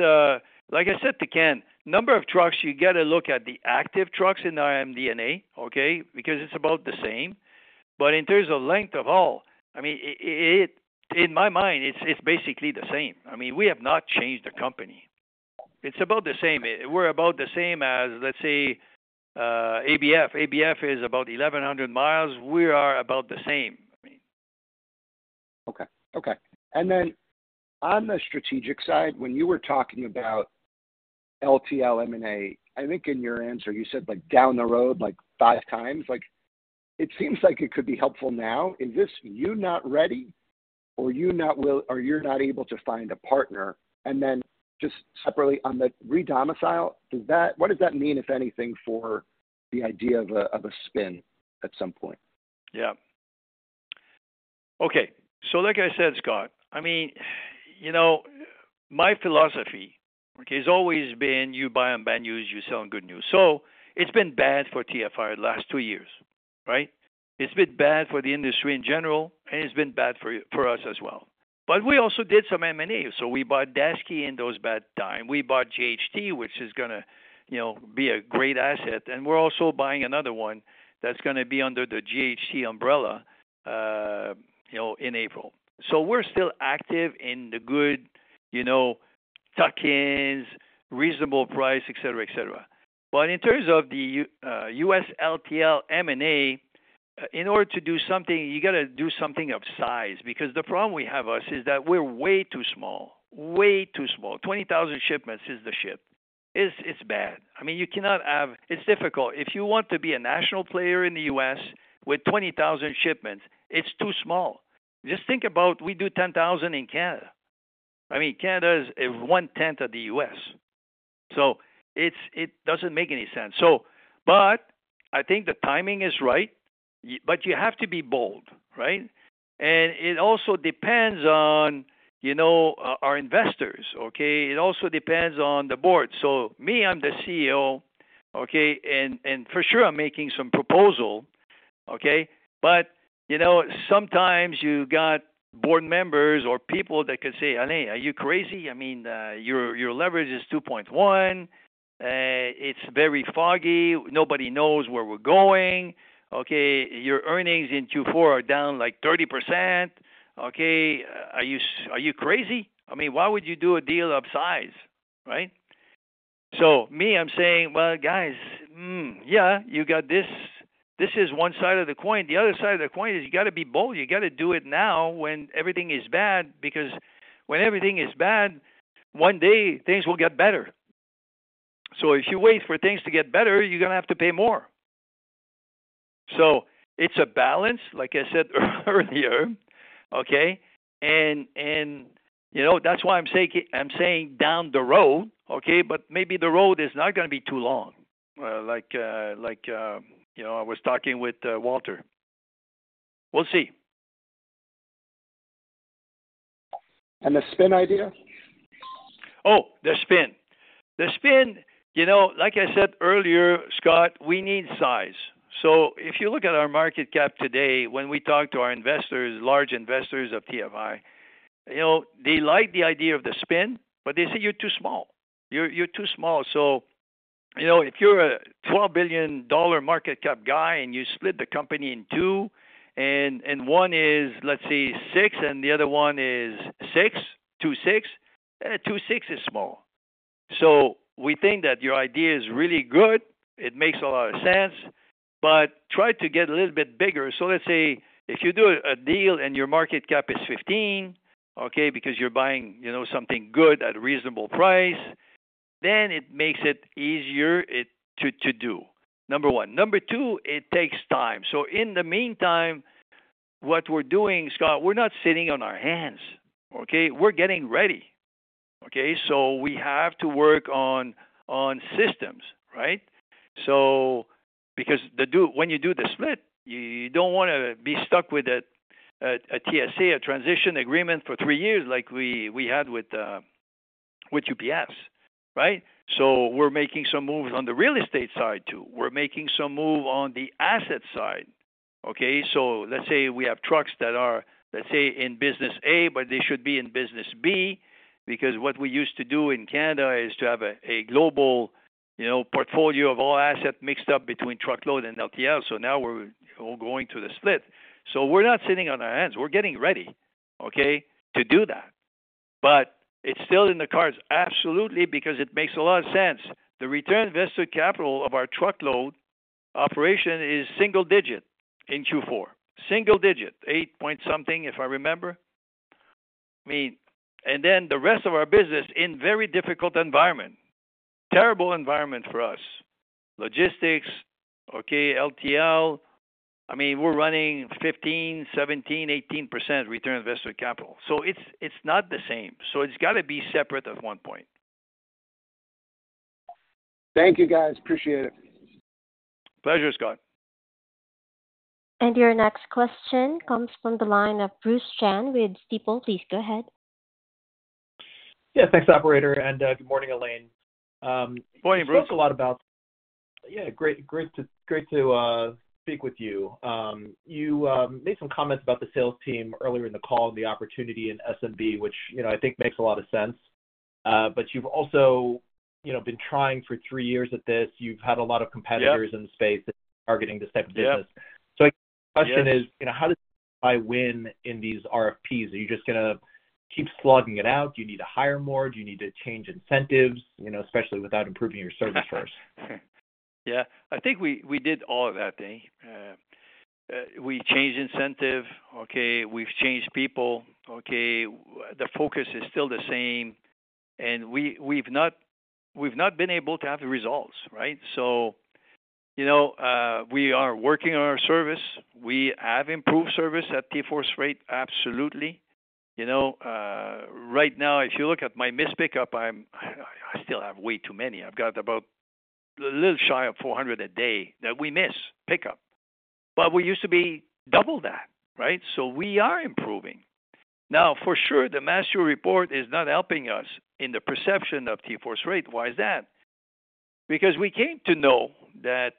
like I said to Ken Hoexter, number of trucks, you got to look at the active trucks in our MD&A, okay, because it's about the same, but in terms of length of haul, I mean, in my mind, it's basically the same. I mean, we have not changed the company. It's about the same. We're about the same as, let's say, ABF. ABF is about 1,100 miles. We are about the same. I mean. And then on the strategic side, when you were talking about LTL M&A, I think in your answer, you said down the road like five times. It seems like it could be helpful now. Is this you not ready or you not will or you're not able to find a partner? And then just separately on the redomicile, what does that mean, if anything, for the idea of a spin at some point? Yeah. Okay. So like I said, Scott Group, I mean, my philosophy, okay, has always been you buy on bad news, you sell on good news. So it's been bad for TFI the last two years, right? It's been bad for the industry in general, and it's been bad for us as well. But we also did some M&A. So we bought Daseke in those bad times. We bought JHT, which is going to be a great asset. And we're also buying another one that's going to be under the JHT umbrella in April. So we're still active in the good, tuck-ins, reasonable price, etc., etc. But in terms of the U.S., LTL M&A, in order to do something, you got to do something of size because the problem we have is that we're way too small, way too small. 20,000 shipments is the ship. It's bad. I mean, you cannot have it. It's difficult. If you want to be a national player in the U.S., with 20,000 shipments, it's too small. Just think about we do 10,000 in Canada. I mean, Canada is one tenth of the U.S. So it doesn't make any sense. But I think the timing is right, but you have to be bold, right? And it also depends on our investors, okay? It also depends on the board. So me, I'm the CEO, okay? And for sure, I'm making some proposal, okay? But sometimes you got board members or people that could say, "Alain Bédard, are you crazy? I mean, your leverage is 2.1. It's very foggy. Nobody knows where we're going. Okay. Your earnings in Q4 are down like 30%. Okay. Are you crazy? I mean, why would you do a deal upsize, right? So me, I'm saying, "Well, guys, yeah, you got this. This is one side of the coin. The other side of the coin is you got to be bold. You got to do it now when everything is bad because when everything is bad, one day things will get better. So if you wait for things to get better, you're going to have to pay more." So it's a balance, like I said earlier, okay? And that's why I'm saying down the road, okay, but maybe the road is not going to be too long. Like I was talking with Walter Spracklin. We'll see. The spin idea? Oh, the spin. The spin, like I said earlier, Scott Group, we need size. So if you look at our market cap today, when we talk to our investors, large investors of TFI, they like the idea of the spin, but they say you're too small. You're too small. So if you're a $12 billion market cap guy and you split the company in two, and one is, let's say, six and the other one is six is small. So we think that your idea is really good. It makes a lot of sense, but try to get a little bit bigger. So let's say if you do a deal and your market cap is 15, okay, because you're buying something good at a reasonable price, then it makes it easier to do, number one. Number two, it takes time. So in the meantime, what we're doing, Scott Group, we're not sitting on our hands, okay? We're getting ready, okay? So we have to work on systems, right? So because when you do the split, you don't want to be stuck with a TSA, a transition agreement for three years like we had with UPS, right? So we're making some moves on the real estate side too. We're making some move on the asset side, okay? So let's say we have trucks that are, let's say, in business A, but they should be in business B because what we used to do in Canada is to have a global portfolio of all assets mixed up between truckload and LTL. So now we're all going to the split. So we're not sitting on our hands. We're getting ready, okay, to do that. It's still in the cards, absolutely, because it makes a lot of sense. The return on invested capital of our truckload operation is single digit in Q4. Single digit, eight point something if I remember. I mean, and then the rest of our business in very difficult environment, terrible environment for us, logistics, okay, LTL. I mean, we're running 15%, 17%, 18% return on invested capital. So it's not the same. So it's got to be separate at one point. Thank you, guys. Appreciate it. Pleasure, Scott Group. Your next question comes from the line of Bruce Chan with Stifel. Please go ahead. Yeah. Thanks, Operator, and good morning, Alain Bédard. Morning, Bruce Chan. We talked a lot about. Yeah. Great to speak with you. You made some comments about the sales team earlier in the call and the opportunity in SMB, which I think makes a lot of sense. But you've also been trying for three years at this. You've had a lot of competitors in the space targeting this type of business. So my question is, how does TFI win in these RFPs? Are you just going to keep slogging it out? Do you need to hire more? Do you need to change incentives, especially without improving your service first? Yeah. I think we did all of that, Danny. We changed incentive, okay? We've changed people, okay? The focus is still the same, and we've not been able to have the results, right? So we are working on our service. We have improved service at TForce Freight, absolutely. Right now, if you look at my missed pickup, I still have way too many. I've got about a little shy of 400 a day that we miss pickup. But we used to be double that, right? So we are improving. Now, for sure, the Mastio Report is not helping us in the perception of TForce Freight. Why is that? Because we came to know that,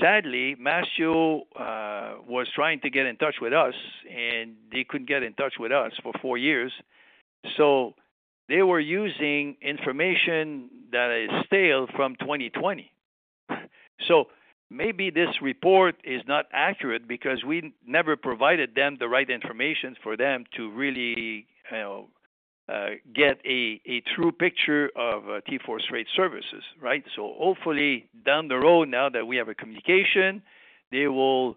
sadly, Mastio was trying to get in touch with us, and they couldn't get in touch with us for four years. So they were using information that is stale from 2020. So maybe this report is not accurate because we never provided them the right information for them to really get a true picture of TForce Freight services, right? So hopefully, down the road, now that we have a communication, they will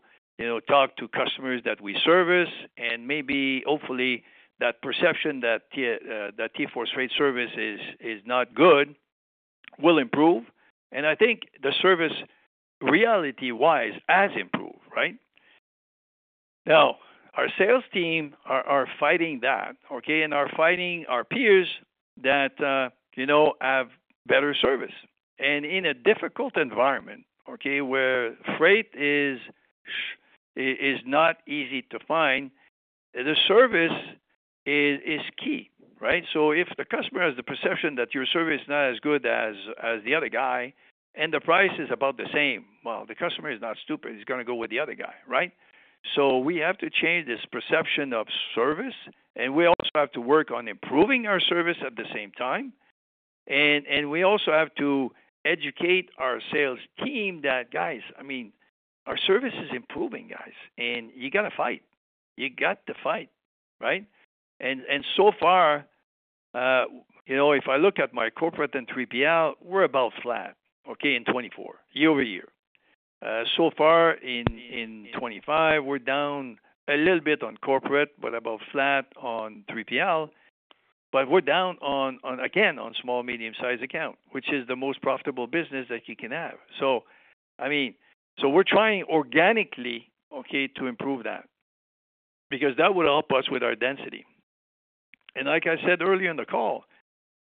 talk to customers that we service. And maybe, hopefully, that perception that TForce Freight service is not good will improve. And I think the service reality-wise has improved, right? Now, our sales team are fighting that, okay, and are fighting our peers that have better service. And in a difficult environment, okay, where freight is not easy to find, the service is key, right? So if the customer has the perception that your service is not as good as the other guy and the price is about the same, well, the customer is not stupid. He's going to go with the other guy, right? So we have to change this perception of service. And we also have to work on improving our service at the same time. And we also have to educate our sales team that, guys, I mean, our service is improving, guys. And you got to fight. You got to fight, right? And so far, if I look at my corporate and 3PL, we're about flat, okay, in 2024, year-over- year. So far, in 2025, we're down a little bit on corporate, but about flat on 3PL. But we're down, again, on small, medium-sized account, which is the most profitable business that you can have. So I mean, so we're trying organically, okay, to improve that because that would help us with our density. And like I said earlier in the call,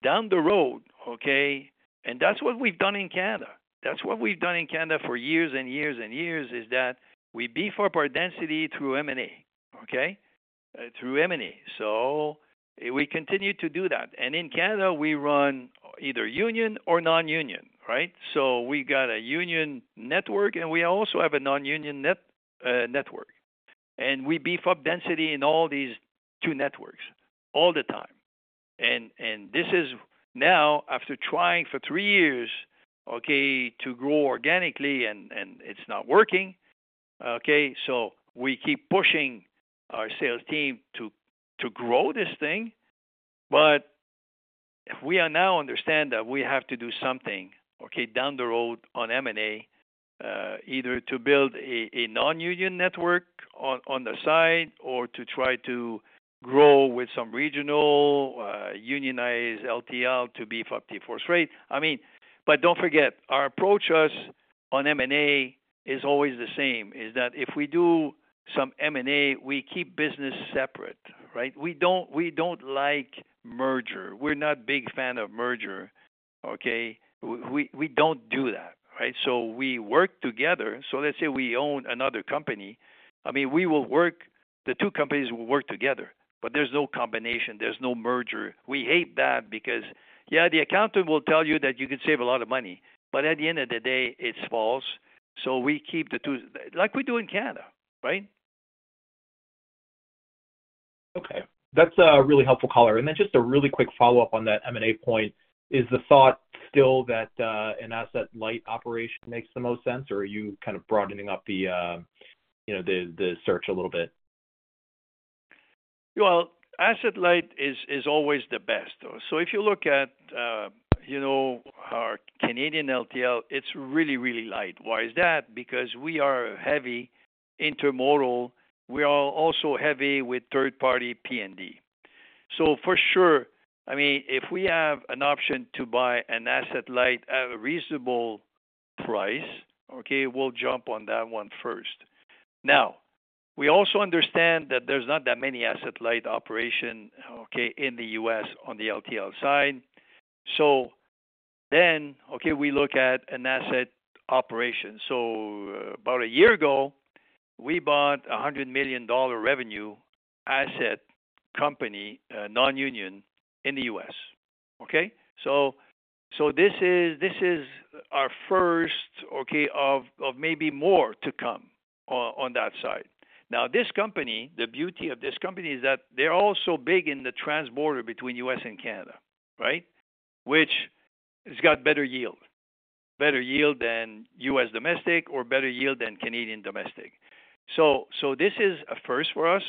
down the road, okay, and that's what we've done in Canada. That's what we've done in Canada for years and years and years is that we beef up our density through M&A, okay, through M&A. So we continue to do that. And in Canada, we run either union or non-union, right? So we got a union network, and we also have a non-union network. And we beef up density in all these two networks all the time. And this is now, after trying for three years, okay, to grow organically, and it's not working, okay? So we keep pushing our sales team to grow this thing. But we now understand that we have to do something, okay, down the road on M&A, either to build a non-union network on the side or to try to grow with some regional unionized LTL to beef up TForce Freight. I mean, but don't forget, our approach on M&A is always the same, is that if we do some M&A, we keep business separate, right? We don't like merger. We're not a big fan of merger, okay? We don't do that, right? So we work together. So let's say we own another company. I mean, we will work the two companies will work together, but there's no combination. There's no merger. We hate that because, yeah, the accountant will tell you that you can save a lot of money. But at the end of the day, it's false. So we keep the two like we do in Canada, right? Okay. That's a really helpful caller. And then just a really quick follow-up on that M&A point. Is the thought still that an asset-light operation makes the most sense, or are you kind of broadening up the search a little bit? Asset-light is always the best. So if you look at our Canadian LTL, it's really, really light. Why is that? Because we are heavy intermodal. We are also heavy with third-party P&D. So for sure, I mean, if we have an option to buy an asset-light at a reasonable price, okay, we'll jump on that one first. Now, we also understand that there's not that many asset-light operations, okay, in the U.S., on the LTL side. So then, okay, we look at an asset operation. So about a year ago, we bought a $100 million revenue asset company, non-union, in the U.S., okay? So this is our first, okay, of maybe more to come on that side. Now, this company, the beauty of this company is that they're also big in the trans-border between U.S., and Canada, right? Which has got better yield, better yield than U.S., domestic or better yield than Canadian domestic. So this is a first for us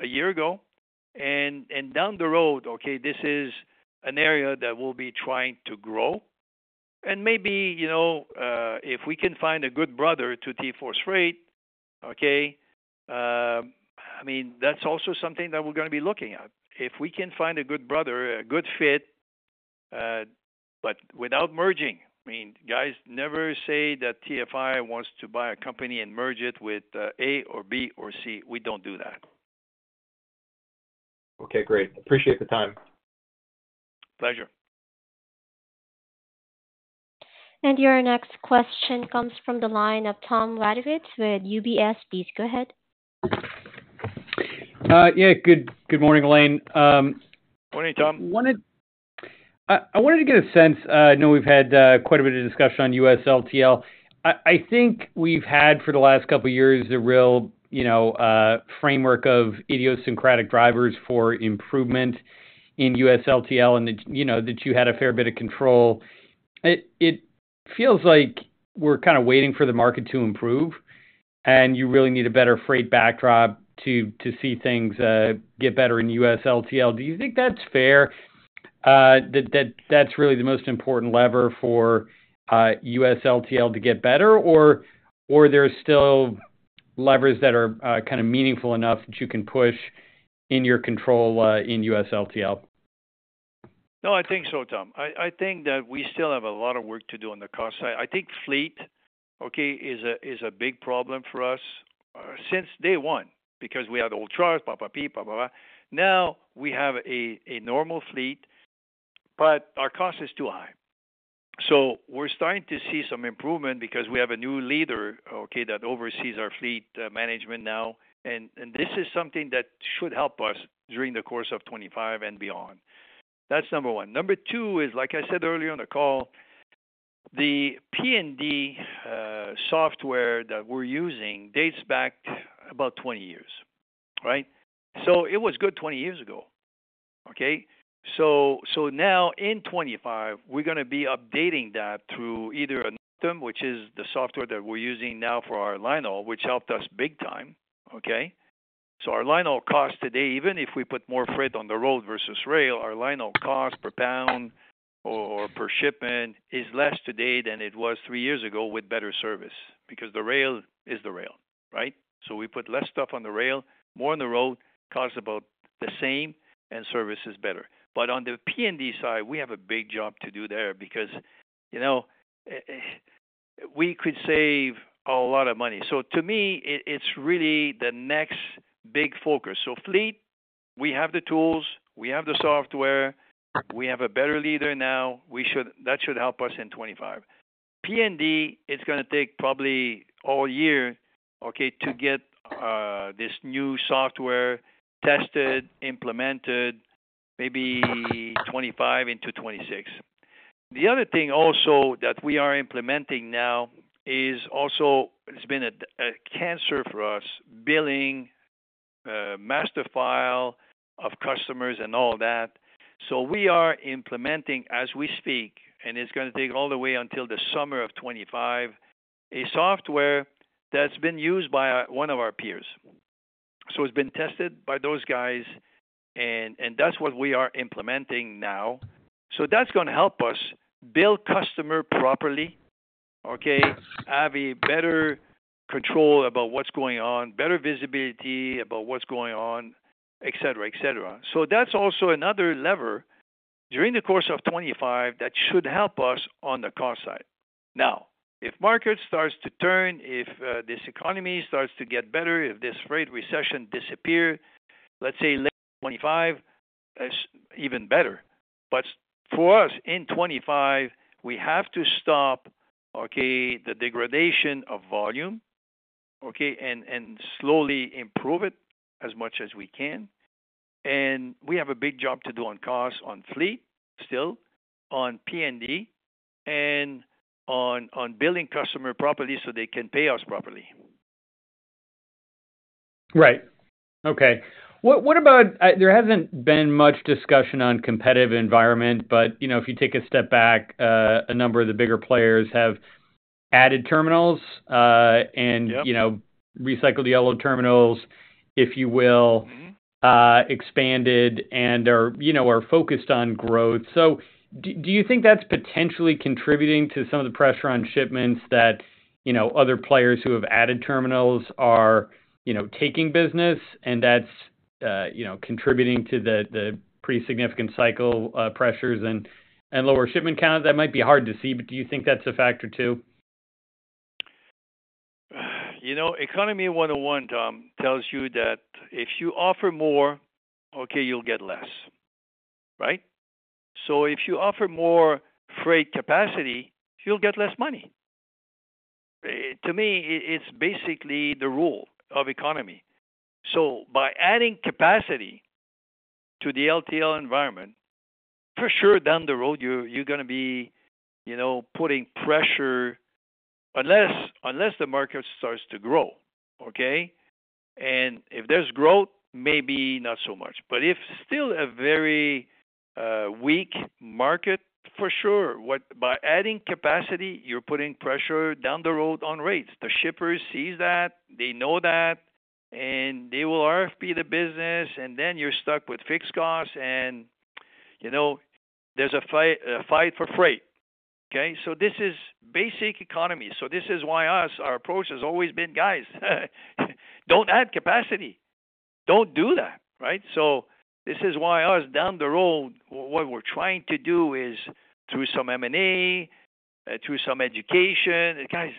a year ago. And down the road, okay, this is an area that we'll be trying to grow. And maybe if we can find a good bolt-on to TForce Freight, okay, I mean, that's also something that we're going to be looking at. If we can find a good bolt-on, a good fit, but without merging. I mean, guys never say that TFI wants to buy a company and merge it with A or B or C. We don't do that. Okay. Great. Appreciate the time. Pleasure. Your next question comes from the line of Tom Wadewitz with UBS. Please go ahead. Yeah. Good morning, Alain Bédard. Morning, Tom Wadewitz. I wanted to get a sense. I know we've had quite a bit of discussion on U.S. LTL. I think we've had, for the last couple of years, a real framework of idiosyncratic drivers for improvement in U.S. LTL and that you had a fair bit of control. It feels like we're kind of waiting for the market to improve, and you really need a better freight backdrop to see things get better in U.S. LTL. Do you think that's fair, that that's really the most important lever for U.S. LTL to get better, or are there still levers that are kind of meaningful enough that you can push in your control in U.S. LTL? No, I think so, Tom Wadewitz. I think that we still have a lot of work to do on the cost side. I think fleet, okay, is a big problem for us since day one because we had old trucks, blah, blah, blah, blah, blah, blah. Now we have a normal fleet, but our cost is too high. So we're starting to see some improvement because we have a new leader, okay, that oversees our fleet management now, and this is something that should help us during the course of 2025 and beyond. That's number one. Number two is, like I said earlier in the call, the P&D software that we're using dates back about 20 years, right? So it was good 20 years ago, okay? So now in 2025, we're going to be updating that through either Optym, which is the software that we're using now for our linehaul, which helped us big time, okay? So our linehaul cost today, even if we put more freight on the road versus rail, our linehaul cost per pound or per shipment is less today than it was three years ago with better service because the rail is the rail, right? So we put less stuff on the rail, more on the road, costs about the same, and service is better. But on the P&D side, we have a big job to do there because we could save a lot of money. So to me, it's really the next big focus. So fleet, we have the tools, we have the software, we have a better leader now. That should help us in 2025. P&D, it's going to take probably all year, okay, to get this new software tested, implemented, maybe 2025 into 2026. The other thing also that we are implementing now is also it's been a cancer for us, billing, master file of customers and all that. So we are implementing as we speak, and it's going to take all the way until the summer of 2025, a software that's been used by one of our peers. So it's been tested by those guys, and that's what we are implementing now. So that's going to help us bill customers properly, okay, have a better control about what's going on, better visibility about what's going on, etc., etc. So that's also another lever during the course of 2025 that should help us on the cost side. Now, if market starts to turn, if this economy starts to get better, if this freight recession disappears, let's say late 2025, even better, but for us in 2025, we have to stop, okay, the degradation of volume, okay, and slowly improve it as much as we can, and we have a big job to do on cost, on fleet still, on P&D, and on billing customer properly so they can pay us properly. Right. Okay. There hasn't been much discussion on competitive environment, but if you take a step back, a number of the bigger players have added terminals and recycled the old terminals, if you will, expanded and are focused on growth. So do you think that's potentially contributing to some of the pressure on shipments that other players who have added terminals are taking business and that's contributing to the pretty significant cycle pressures and lower shipment count? That might be hard to see, but do you think that's a factor too? Economy 101, Tom Wadewitz, tells you that if you offer more, okay, you'll get less, right? So if you offer more freight capacity, you'll get less money. To me, it's basically the rule of economy. So by adding capacity to the LTL environment, for sure, down the road, you're going to be putting pressure unless the market starts to grow, okay? And if there's growth, maybe not so much. But if still a very weak market, for sure, by adding capacity, you're putting pressure down the road on rates. The shippers see that. They know that. And they will RFP the business. And then you're stuck with fixed costs. And there's a fight for freight, okay? So this is basic economy. So this is why us, our approach has always been, guys, don't add capacity. Don't do that, right? So this is why, us down the road, what we're trying to do is through some M&A, through some education. Guys,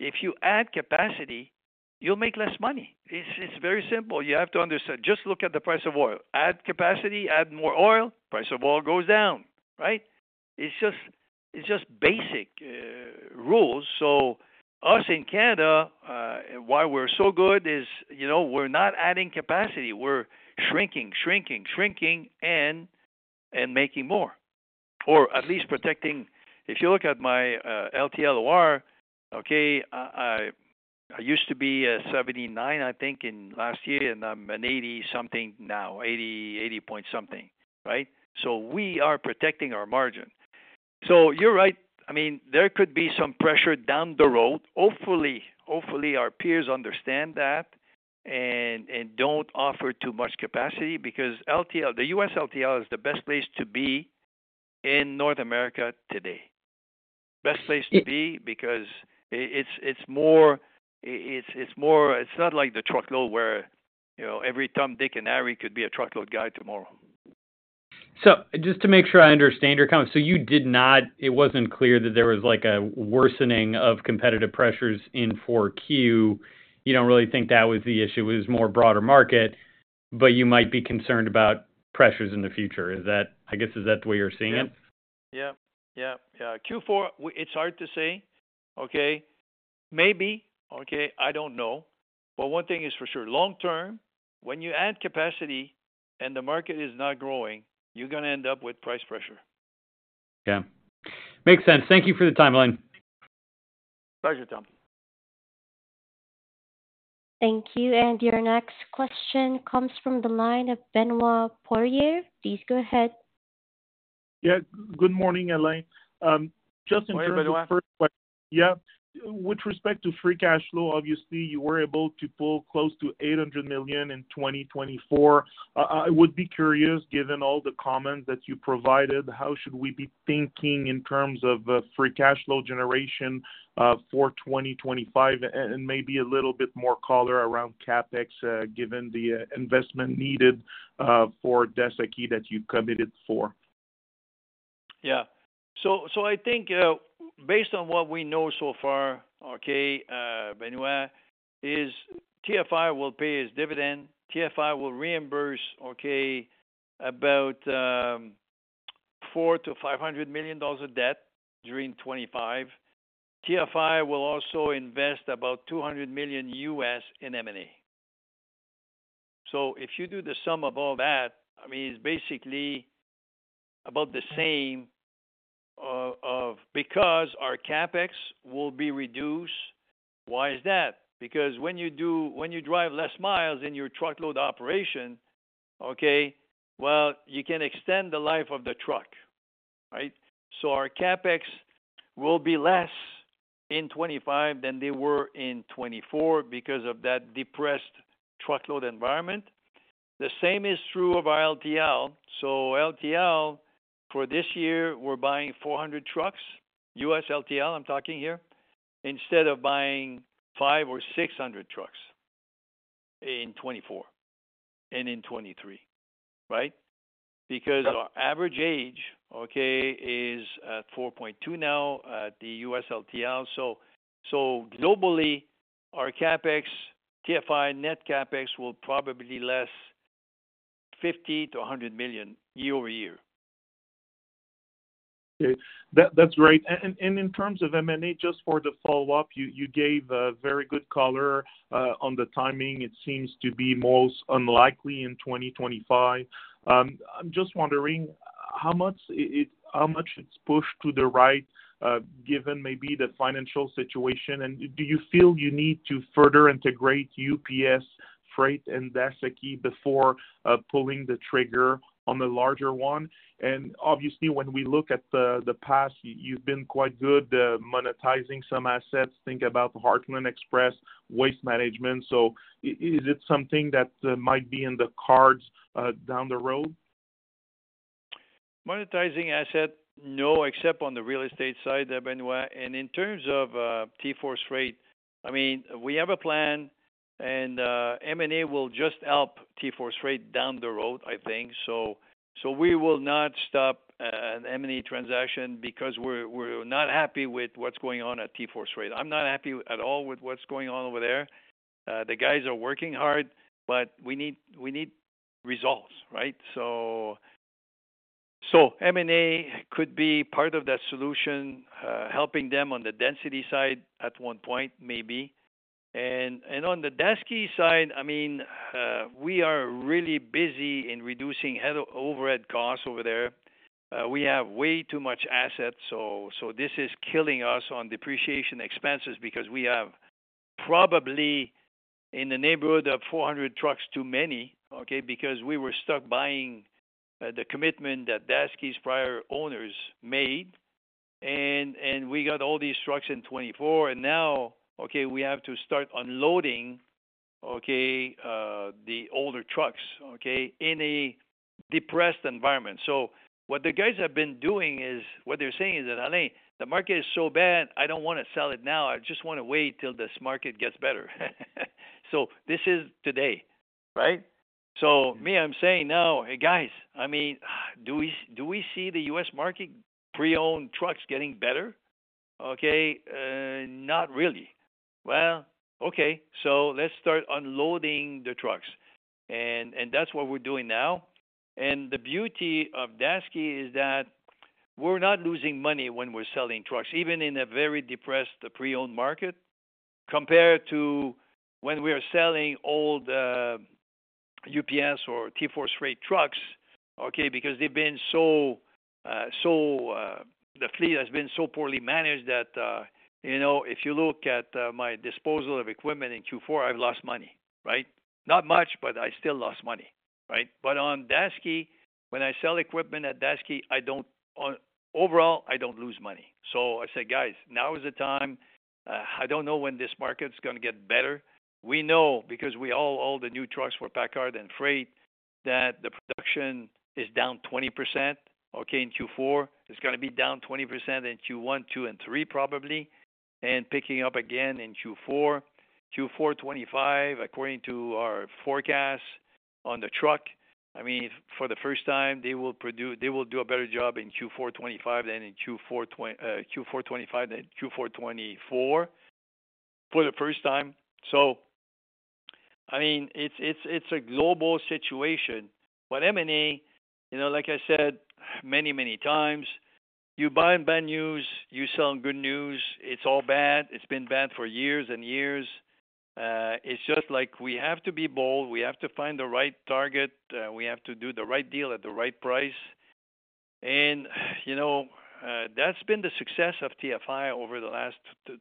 if you add capacity, you'll make less money. It's very simple. You have to understand. Just look at the price of oil. Add capacity, add more oil, price of oil goes down, right? It's just basic rules. So us in Canada, why we're so good is we're not adding capacity. We're shrinking, shrinking, shrinking, and making more, or at least protecting. If you look at my LTL OR, okay, I used to be 79, I think, last year, and I'm an 80-something now, 80-point something, right? So we are protecting our margin. So you're right. I mean, there could be some pressure down the road. Hopefully, our peers understand that and don't offer too much capacity because the U.S. LTL is the best place to be in North America today. Best place to be because it's more. It's not like the truckload where every Tom Dick and Harry could be a truckload guy tomorrow. Just to make sure I understand your comment, so you did not. It wasn't clear that there was a worsening of competitive pressures in 4Q. You don't really think that was the issue. It was more broader market, but you might be concerned about pressures in the future. I guess, is that the way you're seeing it? Yep. Yep. Yep. Yeah. Q4, it's hard to say, okay? Maybe, okay? I don't know. But one thing is for sure. Long-term, when you add capacity and the market is not growing, you're going to end up with price pressure. Yeah. Makes sense. Thank you for the time, Alain Bédard. Pleasure, Tom Wadewitz. Thank you. And your next question comes from the line of Benoit Poirier. Please go ahead. Yeah. Good morning, Alain Bédard. Just in terms of. Hi, everyone. First question. Yeah. With respect to free cash flow, obviously, you were able to pull close to $800 million in 2024. I would be curious, given all the comments that you provided, how should we be thinking in terms of free cash flow generation for 2025 and maybe a little bit more color around CapEx given the investment needed for Daseke that you committed for? Yeah. So I think based on what we know so far, okay, Benoit Poirier, is TFI will pay its dividend. TFI will reimburse, okay, about $400-$500 million of debt during 2025. TFI will also invest about $200 million in M&A. So if you do the sum of all that, I mean, it's basically about the same because our CapEx will be reduced. Why is that? Because when you drive less miles in your truckload operation, okay, well, you can extend the life of the truck, right? So our CapEx will be less in 2025 than they were in 2024 because of that depressed truckload environment. The same is true of our LTL. So LTL, for this year, we're buying 400 trucks, U.S. LTL I'm talking here, instead of buying 500 or 600 trucks in 2024 and in 2023, right? Because our average age, okay, is at 4.2 now at the U.S. LTL. So globally, our CapEx, TFI, net CapEx will probably be less $50-$100 million year over year. Okay. That's great. And in terms of M&A, just for the follow-up, you gave very good color on the timing. It seems to be most unlikely in 2025. I'm just wondering how much it's pushed to the right given maybe the financial situation. And do you feel you need to further integrate UPS Freight and Daseke before pulling the trigger on the larger one? And obviously, when we look at the past, you've been quite good monetizing some assets. Think about Heartland Express, Waste Management. So is it something that might be in the cards down the road? Monetizing assets, no, except on the real estate side, Benoit Poirier. In terms of TForce Freight, I mean, we have a plan, and M&A will just help TForce Freight down the road, I think. We will not stop an M&A transaction because we're not happy with what's going on at TForce Freight. I'm not happy at all with what's going on over there. The guys are working hard, but we need results, right? M&A could be part of that solution, helping them on the density side at one point, maybe. On the Daseke side, I mean, we are really busy in reducing overhead costs over there. We have way too much assets. This is killing us on depreciation expenses because we have probably in the neighborhood of 400 trucks too many, okay, because we were stuck buying the commitment that Daseke's prior owners made. We got all these trucks in 2024. Now we have to start unloading the older trucks in a depressed environment. What the guys have been doing is they're saying, "Alain Bédard, the market is so bad. I don't want to sell it now. I just want to wait till this market gets better." This is today, right? Me, I'm saying now, "Hey, guys, I mean, do we see the U.S., market pre-owned trucks getting better?" Not really. Well. Let's start unloading the trucks. That's what we're doing now. The beauty of deaccession is that we're not losing money when we're selling trucks, even in a very depressed pre-owned market, compared to when we are selling old UPS or TForce Freight trucks, okay, because they've been so the fleet has been so poorly managed that if you look at my disposal of equipment in Q4, I've lost money, right? Not much, but I still lost money, right? But on deaccession, when I sell equipment at deaccession, overall, I don't lose money. So I said, "Guys, now is the time. I don't know when this market's going to get better." We know because we all own the new trucks for Packard and Freight that the production is down 20%, okay, in Q4. It's going to be down 20% in Q1, Q2, and Q3 probably, and picking up again in Q4. Q1, Q2, Q3 according to our forecasts on the truckload, I mean, for the first time they will do a better job in Q1, Q2, Q3 for the first time. So I mean, it's a global situation. But M&A, like I said many, many times, you buy bad news, you sell good news. It's all bad. It's been bad for years and years. It's just like we have to be bold. We have to find the right target. We have to do the right deal at the right price. And that's been the success of TFI over the last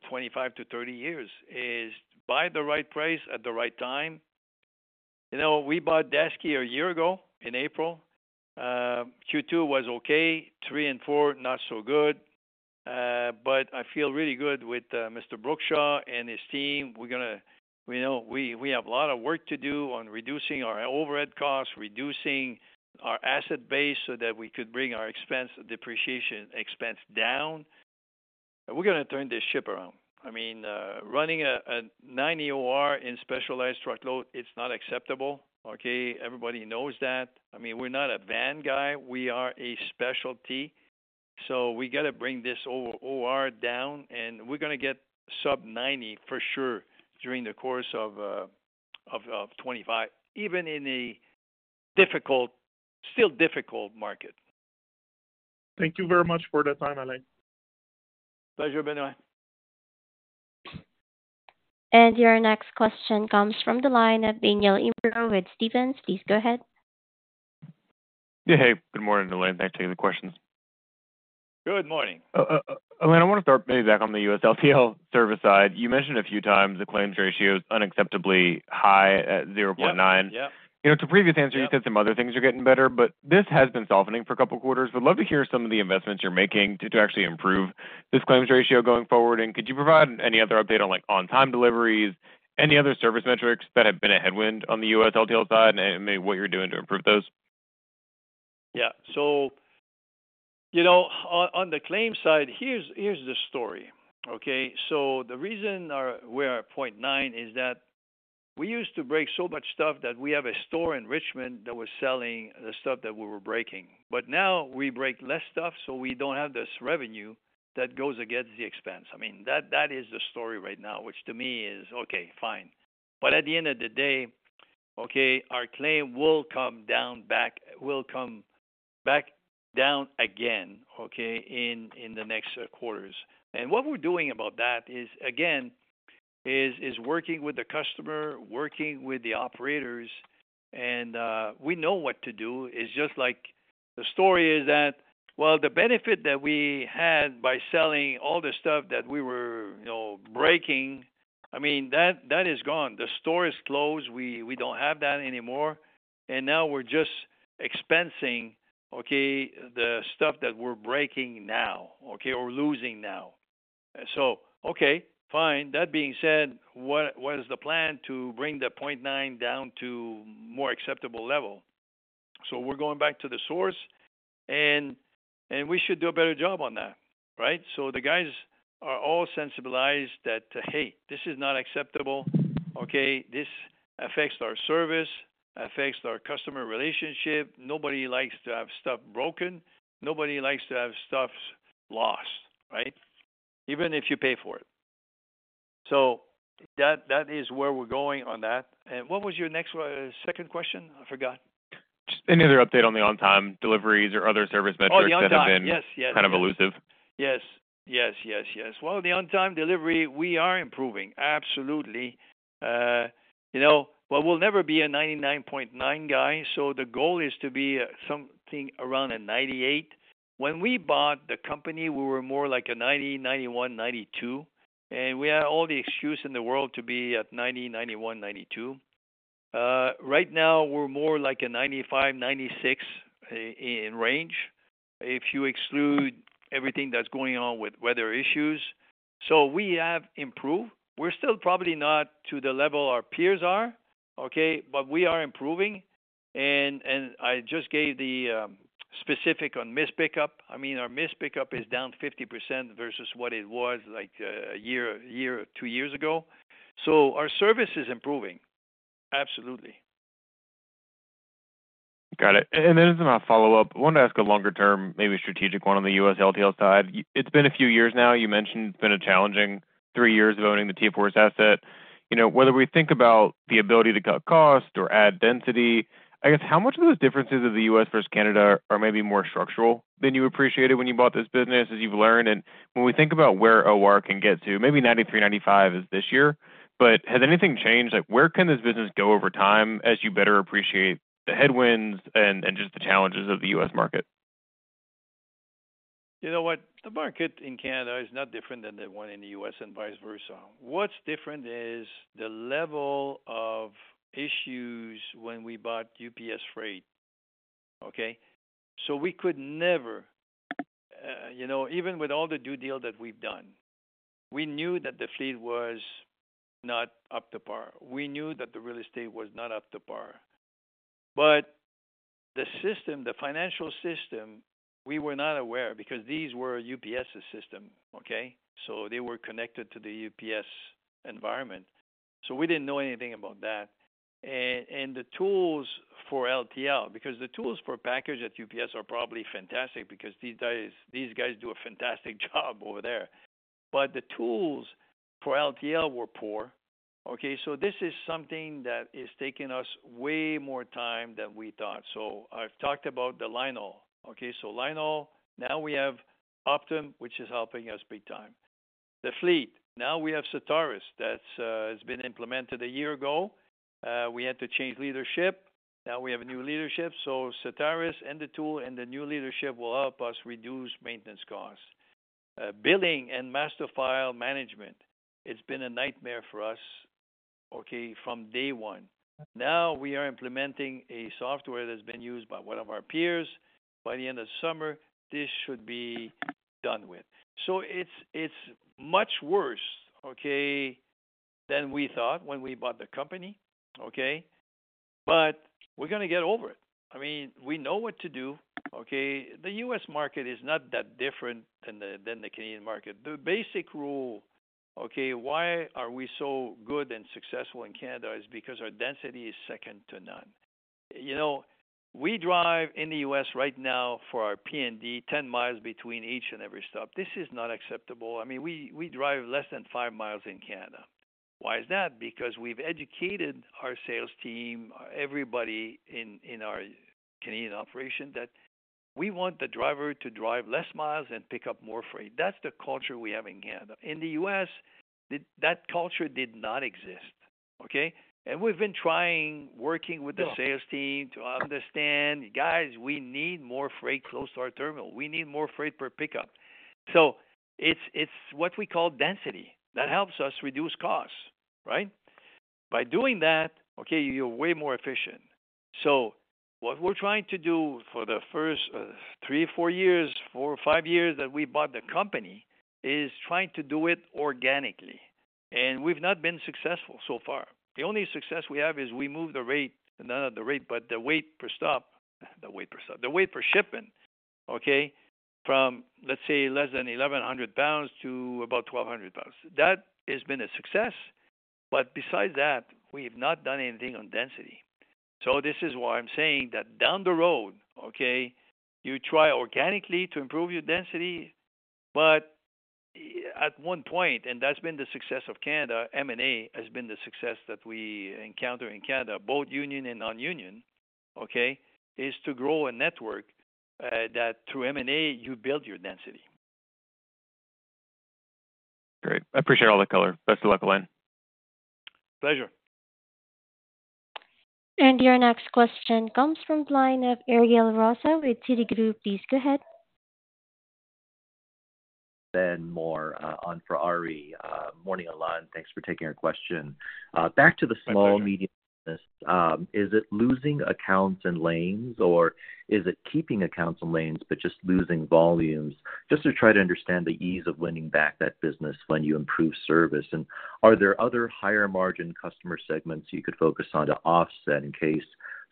25 to 30 years is buy the right price at the right time. We bought Daseke a year ago in April. Q2 was okay. Q3 and Q4, not so good. But I feel really good with Mr. Brookshaw and his team. We have a lot of work to do on reducing our overhead costs, reducing our asset base so that we could bring our expense depreciation expense down. We're going to turn this ship around. I mean, running a 90 OR in specialized truckload, it's not acceptable, okay? Everybody knows that. I mean, we're not a van guy. We are a specialty. So we got to bring this OR down, and we're going to get sub-90 for sure during the course of 2025, even in a still difficult market. Thank you very much for the time, Alain Bédard. Pleasure, Benoit Poirier. Your next question comes from the line of Daniel Imbro with Stephens. Please go ahead. Hey, hey. Good morning, Alain Bédard. Thanks for the questions. Good morning. Alain Bédard, I want to start maybe back on the U.S. LTL service side. You mentioned a few times the claims ratio is unacceptably high at 0.9. Yeah. Yeah. To previous answer, you said some other things are getting better, but this has been softening for a couple of quarters. Would love to hear some of the investments you're making to actually improve this claims ratio going forward, and could you provide any other update on on-time deliveries, any other service metrics that have been a headwind on the U.S. LTL side, and maybe what you're doing to improve those? Yeah. So on the claims side, here's the story, okay? So the reason we're at 0.9% is that we used to break so much stuff that we have a store in Richmond that was selling the stuff that we were breaking. But now we break less stuff, so we don't have this revenue that goes against the expense. I mean, that is the story right now, which to me is, okay, fine. But at the end of the day, okay, our claim will come down back, will come back down again, okay, in the next quarters. And what we're doing about that is, again, is working with the customer, working with the operators. And we know what to do. It's just like the story is that, well, the benefit that we had by selling all the stuff that we were breaking, I mean, that is gone. The store is closed. We don't have that anymore. And now we're just expensing, okay, the stuff that we're breaking now, okay, or losing now. So, okay, fine. That being said, what is the plan to bring the 0.9 down to a more acceptable level? So we're going back to the source, and we should do a better job on that, right? So the guys are all sensibilized that, "Hey, this is not acceptable. Okay? This affects our service, affects our customer relationship. Nobody likes to have stuff broken. Nobody likes to have stuff lost, right? Even if you pay for it." So that is where we're going on that. And what was your next second question? I forgot. Just any other update on the on-time deliveries or other service metrics that have been kind of elusive? Oh, yeah. Yes. Yes. Yes. Yes. Yes. Yes. Yes. Yes. Well, the on-time delivery, we are improving. Absolutely. But we'll never be a 99.9 guy. So the goal is to be something around a 98. When we bought the company, we were more like a 90-92. And we had all the excuse in the world to be at 90-92. Right now, we're more like a 95-96 in range if you exclude everything that's going on with weather issues. So we have improved. We're still probably not to the level our peers are, okay? But we are improving. And I just gave the specific on missed pickup. I mean, our missed pickup is down 50% versus what it was like a year or two years ago. So our service is improving. Absolutely. Got it. And then as a follow-up, I wanted to ask a longer-term, maybe strategic one on the U.S. LTL side. It's been a few years now. You mentioned it's been a challenging three years of owning the TForce asset. Whether we think about the ability to cut cost or add density, I guess how much of those differences of the U.S. versus Canada are maybe more structural than you appreciated when you bought this business as you've learned? And when we think about where OR can get to, maybe 93%, 95% is this year, but has anything changed? Where can this business go over time as you better appreciate the headwinds and just the challenges of the U.S., market? You know what? The market in Canada is not different than the one in the US and vice versa. What's different is the level of issues when we bought UPS Freight, okay? So we could never, even with all the due dil that we've done, we knew that the fleet was not up to par. We knew that the real estate was not up to par. But the system, the financial system, we were not aware because these were UPS's system, okay? So they were connected to the UPS environment. So we didn't know anything about that. And the tools for LTL, because the tools for package at UPS are probably fantastic because these guys do a fantastic job over there. But the tools for LTL were poor, okay? So this is something that is taking us way more time than we thought. So I've talked about the Lynol, okay? So Lynol, now we have Optym, which is helping us big time. The fleet, now we have Cetaris that's been implemented a year ago. We had to change leadership. Now we have a new leadership. So Cetaris and the tool and the new leadership will help us reduce maintenance costs. Billing and master file management, it's been a nightmare for us, okay, from day one. Now we are implementing a software that's been used by one of our peers. By the end of summer, this should be done with. So it's much worse, okay, than we thought when we bought the company, okay? But we're going to get over it. I mean, we know what to do, okay? The U.S., market is not that different than the Canadian market. The basic rule, okay, why are we so good and successful in Canada is because our density is second to none. We drive in the U.S., right now for our P&D 10 miles between each and every stop. This is not acceptable. I mean, we drive less than five miles in Canada. Why is that? Because we've educated our sales team, everybody in our Canadian operation, that we want the driver to drive less miles and pick up more freight. That's the culture we have in Canada. In the U.S., that culture did not exist, okay? And we've been trying, working with the sales team to understand, "Guys, we need more freight close to our terminal. We need more freight per pickup." So it's what we call density. That helps us reduce costs, right? By doing that, okay, you're way more efficient. So what we're trying to do for the first three or four years, four or five years that we bought the company is trying to do it organically. We've not been successful so far. The only success we have is we moved the rate, not the rate, but the weight per stop, the weight per shipment, okay, from, let's say, less than 1,100 lbs to about 1,200 lbs. That has been a success. But besides that, we have not done anything on density. So this is why I'm saying that down the road, okay, you try organically to improve your density, but at one point, and that's been the success of Canada, M&A has been the success that we encounter in Canada, both union and non-union, okay, is to grow a network that through M&A, you build your density. Great. I appreciate all the color. Best of luck, Alain Bédard. Pleasure. Your next question comes from the line of Ariel Rosa with Citigroup. Please go ahead. Ben Mohr on for Ariel Rosa. Morning, Alain Bédard. Thanks for taking our question. Back to the small, medium business, is it losing accounts and lanes, or is it keeping accounts and lanes, but just losing volumes, just to try to understand the ease of winning back that business when you improve service? And are there other higher-margin customer segments you could focus on to offset in case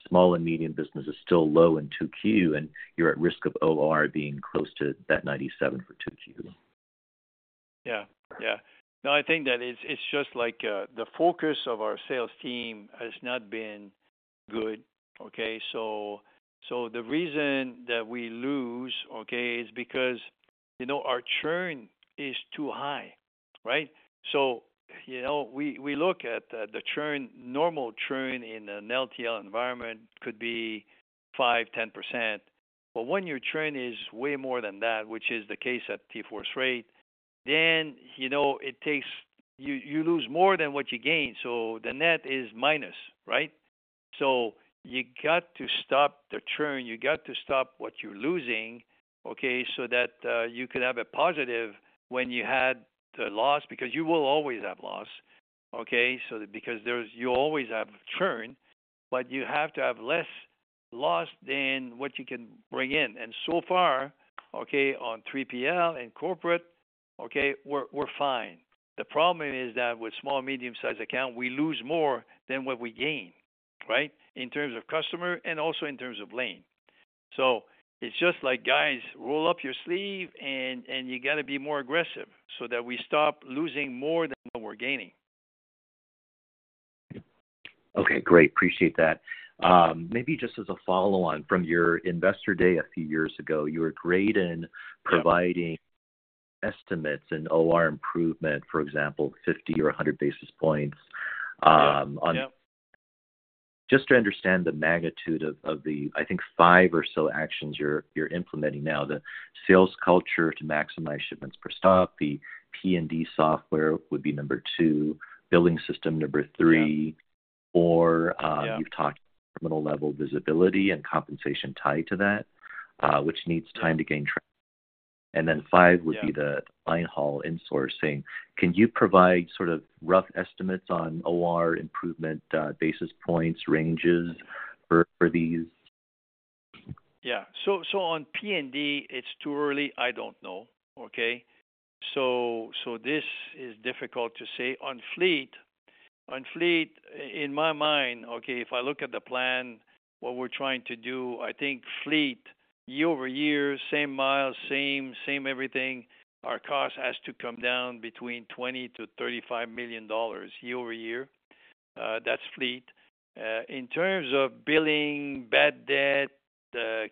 small and medium business is still low in 2Q and you're at risk of OR being close to that 97% for 2Q? Yeah. Yeah. No, I think that it's just like the focus of our sales team has not been good, okay? So the reason that we lose, okay, is because our churn is too high, right? So we look at the churn, normal churn in an LTL environment could be 5-10%. But when your churn is way more than that, which is the case at TForce Freight, then you lose more than what you gain. So the net is minus, right? So you got to stop the churn. You got to stop what you're losing, okay, so that you could have a positive when you had the loss because you will always have loss, okay, because you always have churn, but you have to have less loss than what you can bring in. And so far, okay, on 3PL and corporate, okay, we're fine. The problem is that with small, medium-sized account, we lose more than what we gain, right, in terms of customer and also in terms of lane. So it's just like, "Guys, roll up your sleeve, and you got to be more aggressive so that we stop losing more than what we're gaining. Okay. Great. Appreciate that. Maybe just as a follow-on from your investor day a few years ago, you were great in providing estimates and OR improvement, for example, 50 or 100 basis points. Yeah. Just to understand the magnitude of the, I think, five or so actions you're implementing now, the sales culture to maximize shipments per stop, the P&D software would be number two, billing system number three, or you've talked about terminal-level visibility and compensation tied to that, which needs time to gain traction. And then five would be the linehaul insourcing. Can you provide sort of rough estimates on OR improvement basis points, ranges for these? Yeah. So on P&D, it's too early. I don't know, okay? So this is difficult to say. On fleet, in my mind, okay, if I look at the plan, what we're trying to do, I think fleet, year over year, same miles, same everything, our cost has to come down between $20 million-$35 million year over year. That's fleet. In terms of billing, bad debt,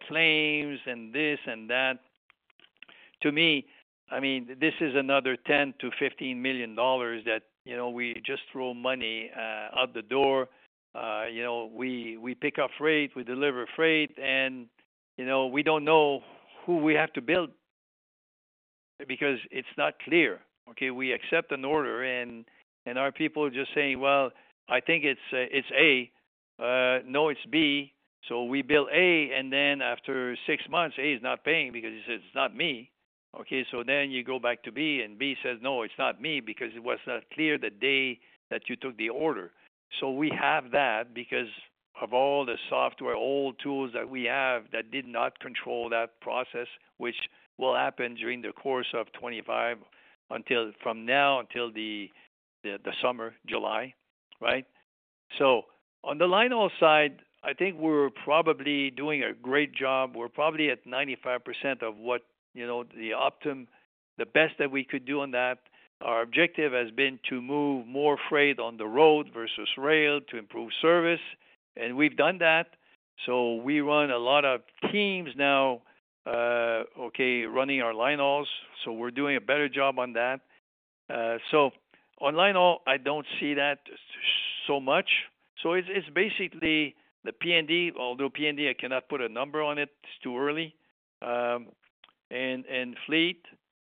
claims, and this and that, to me, I mean, this is another $10 million-$15 million that we just throw money out the door. We pick up freight, we deliver freight, and we don't know who we have to bill because it's not clear, okay? We accept an order, and our people are just saying, "Well, I think it's A." "No, it's B." So we build A, and then after six months, A is not paying because he says, "It's not me." Okay? So then you go back to B, and B says, "No, it's not me because it was not clear the day that you took the order." So we have that because of all the software, old tools that we have that did not control that process, which will happen during the course of 2025 from now until the summer, July, right? So on the LTL side, I think we're probably doing a great job. We're probably at 95% of what the Optym, the best that we could do on that. Our objective has been to move more freight on the road versus rail to improve service. And we've done that. So we run a lot of teams now, okay, running our LTLs. So we're doing a better job on that. So on LTL, I don't see that so much. So it's basically the P&D, although P&D, I cannot put a number on it. It's too early. And fleet,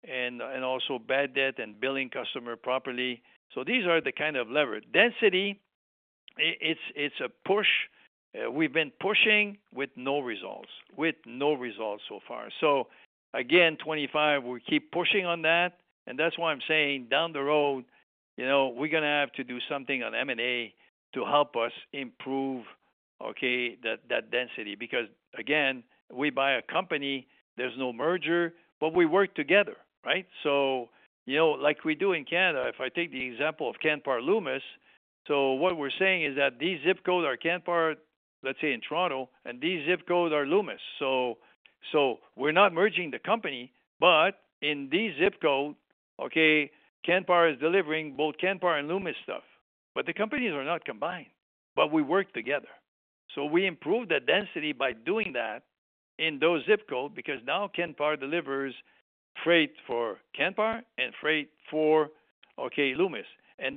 and also bad debt, and billing customers properly. So these are the kind of levers. Density, it's a push. We've been pushing with no results, with no results so far. So again, 2025, we keep pushing on that. And that's why I'm saying down the road, we're going to have to do something on M&A to help us improve, okay, that density because, again, we buy a company. There's no merger, but we work together, right? Like we do in Canada, if I take the example of Canpar-Loomis, what we're saying is that these zip codes are Canpar, let's say in Toronto, and these zip codes are Loomis. We're not merging the company, but in these zip codes, okay, Canpar is delivering both Canpar and Loomis stuff. But the companies are not combined, but we work together. We improve the density by doing that in those zip codes because now Canpar delivers freight for Canpar and freight for, okay, Loomis.